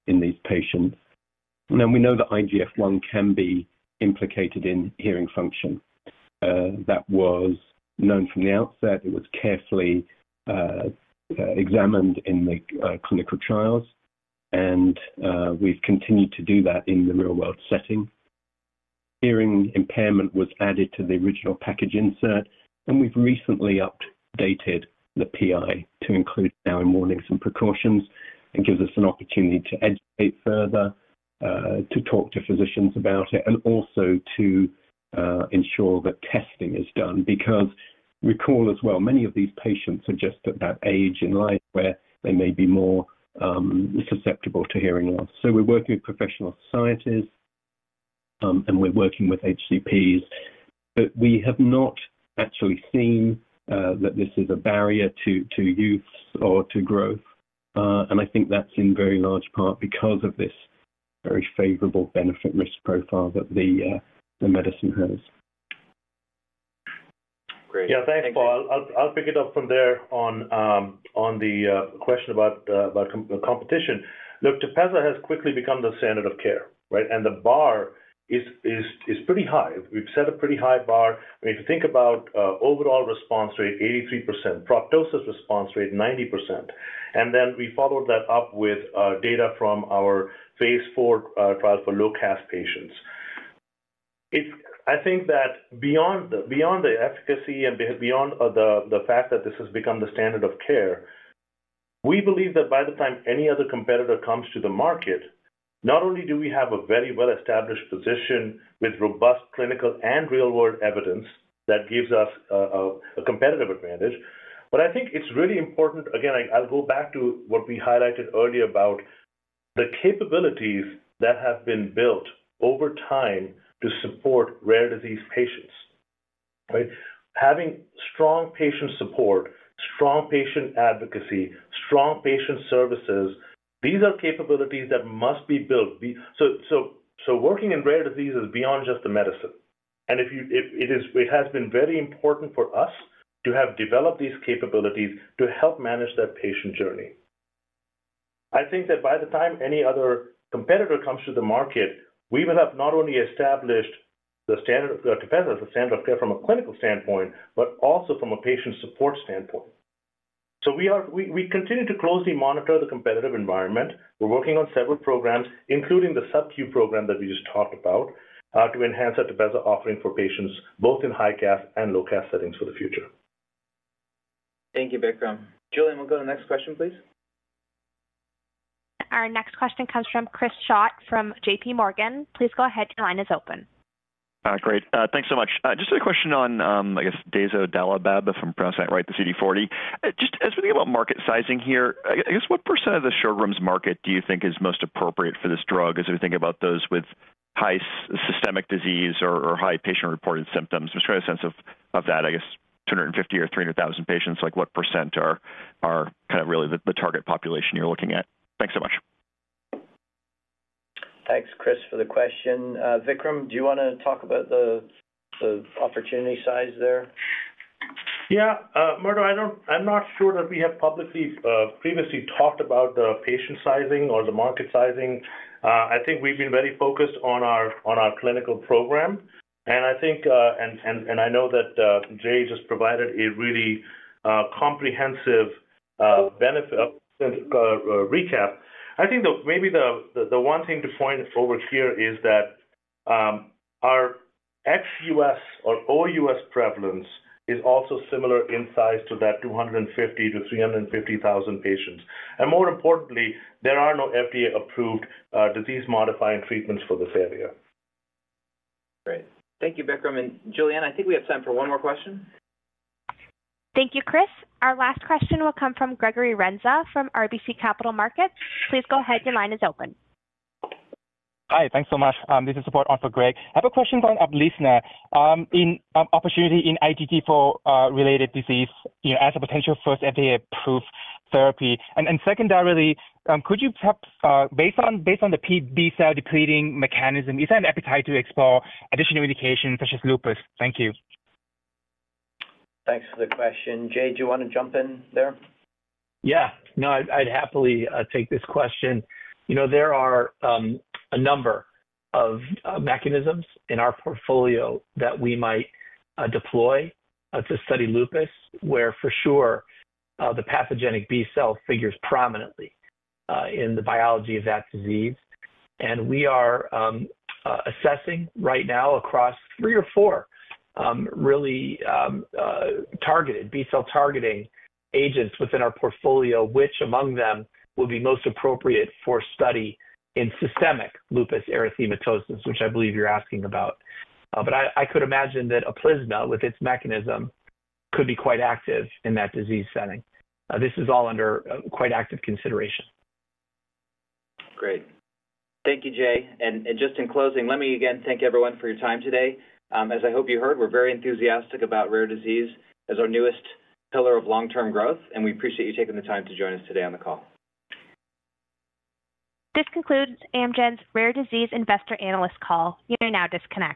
in these patients. We know that IGF-1 can be implicated in hearing function. That was known from the outset. It was carefully examined in the clinical trials, and we've continued to do that in the real-world setting. Hearing impairment was added to the original package insert, and we've recently updated the PI to include now in warnings and precautions. It gives us an opportunity to educate further, to talk to physicians about it, and also to ensure that testing is done because, recall, as well, many of these patients are just at that age in life where they may be more susceptible to hearing loss. We're working with professional scientists, and we're working with HCPs, but we have not actually seen that this is a barrier to youths or to growth. I think that's in very large part because of this very favorable benefit-risk profile that the medicine has. Yeah, thanks, Paul. I'll pick it up from there on the question about competition. TEPEZZA has quickly become the standard of care, and the bar is pretty high. We've set a pretty high bar. If you think about overall response rate, 83%, proptosis response rate, 90%, then we followed that up with data from our phase IV trial for low CAS patients. I think that beyond the efficacy and beyond the fact that this has become the standard of care, we believe that by the time any other competitor comes to the market, not only do we have a very well-established position with robust clinical and real-world evidence that gives us a competitive advantage, but I think it's really important again, I'll go back to what we highlighted earlier about the capabilities that have been built over time to support rare disease patients. Having strong patient support, strong patient advocacy, strong patient services, these are capabilities that must be built. Working in rare disease is beyond just the medicine. It has been very important for us to have developed these capabilities to help manage that patient journey. I think that by the time any other competitor comes to the market, we will have not only established the standard of care from a clinical standpoint but also from a patient support standpoint. We continue to closely monitor the competitive environment. We're working on several programs, including the sub-Q program that we just talked about, to enhance our TEPEZZA offering for patients both in high CAS and low CAS settings for the future. Thank you, Vikram. Julie Ann, we'll go to the next question, please. Our next question comes from Chris Schott from JPMorgan. Please go ahead. Your line is open. Great. Thanks so much. Just a question on, I guess, dazodalibep from Horizon, the CD40. Just as we think about market sizing here, I guess what % of the Sjögren's market do you think is most appropriate for this drug as we think about those with high systemic disease or high patient-reported symptoms? Give us a sense of that. I guess 250,000 or 300,000 patients, what % are really the target population you're looking at? Thanks so much. Thanks, Chris, for the question. Vikram, do you want to talk about the opportunity size there? Yeah, Murdo, I'm not sure that we have previously talked about the patient sizing or the market sizing. I think we've been very focused on our clinical program, and I know that Jay just provided a really comprehensive recap. I think maybe the one thing to point over here is that our ex-US or OUS prevalence is also similar in size to that 250-350,000 patients. More importantly, there are no FDA-approved disease-modifying treatments for this area. Great. Thank you, Vikram. Julie Ann, I think we have time for one more question. Thank you, Chris. Our last question will come from Gregory Renza from RBC Capital Markets. Please go ahead. Your line is open. Hi. Thanks so much. This is standing in for Greg. I have a question for UPLIZNA on opportunity in IgG4-related disease as a potential first FDA-approved therapy. Secondarily, could you perhaps, based on the B-cell depleting mechanism, is there an appetite to explore additional indications such as lupus? Thank you. Thanks for the question. Jay, do you want to jump in there? Yeah. No, I'd happily take this question. There are a number of mechanisms in our portfolio that we might deploy to study lupus where, for sure, the pathogenic B-cell figures prominently in the biology of that disease. We are assessing right now across three or four really targeted B-cell targeting agents within our portfolio, which among them will be most appropriate for study in systemic lupus erythematosus, which I believe you're asking about. I could imagine that UPLIZNA, with its mechanism, could be quite active in that disease setting. This is all under quite active consideration. Great. Thank you, Jay. Just in closing, let me again thank everyone for your time today. As I hope you heard, we're very enthusiastic about rare disease as our newest pillar of long-term growth, and we appreciate you taking the time to join us today on the call. This concludes Amgen's rare disease investor analyst call. You are now disconnected.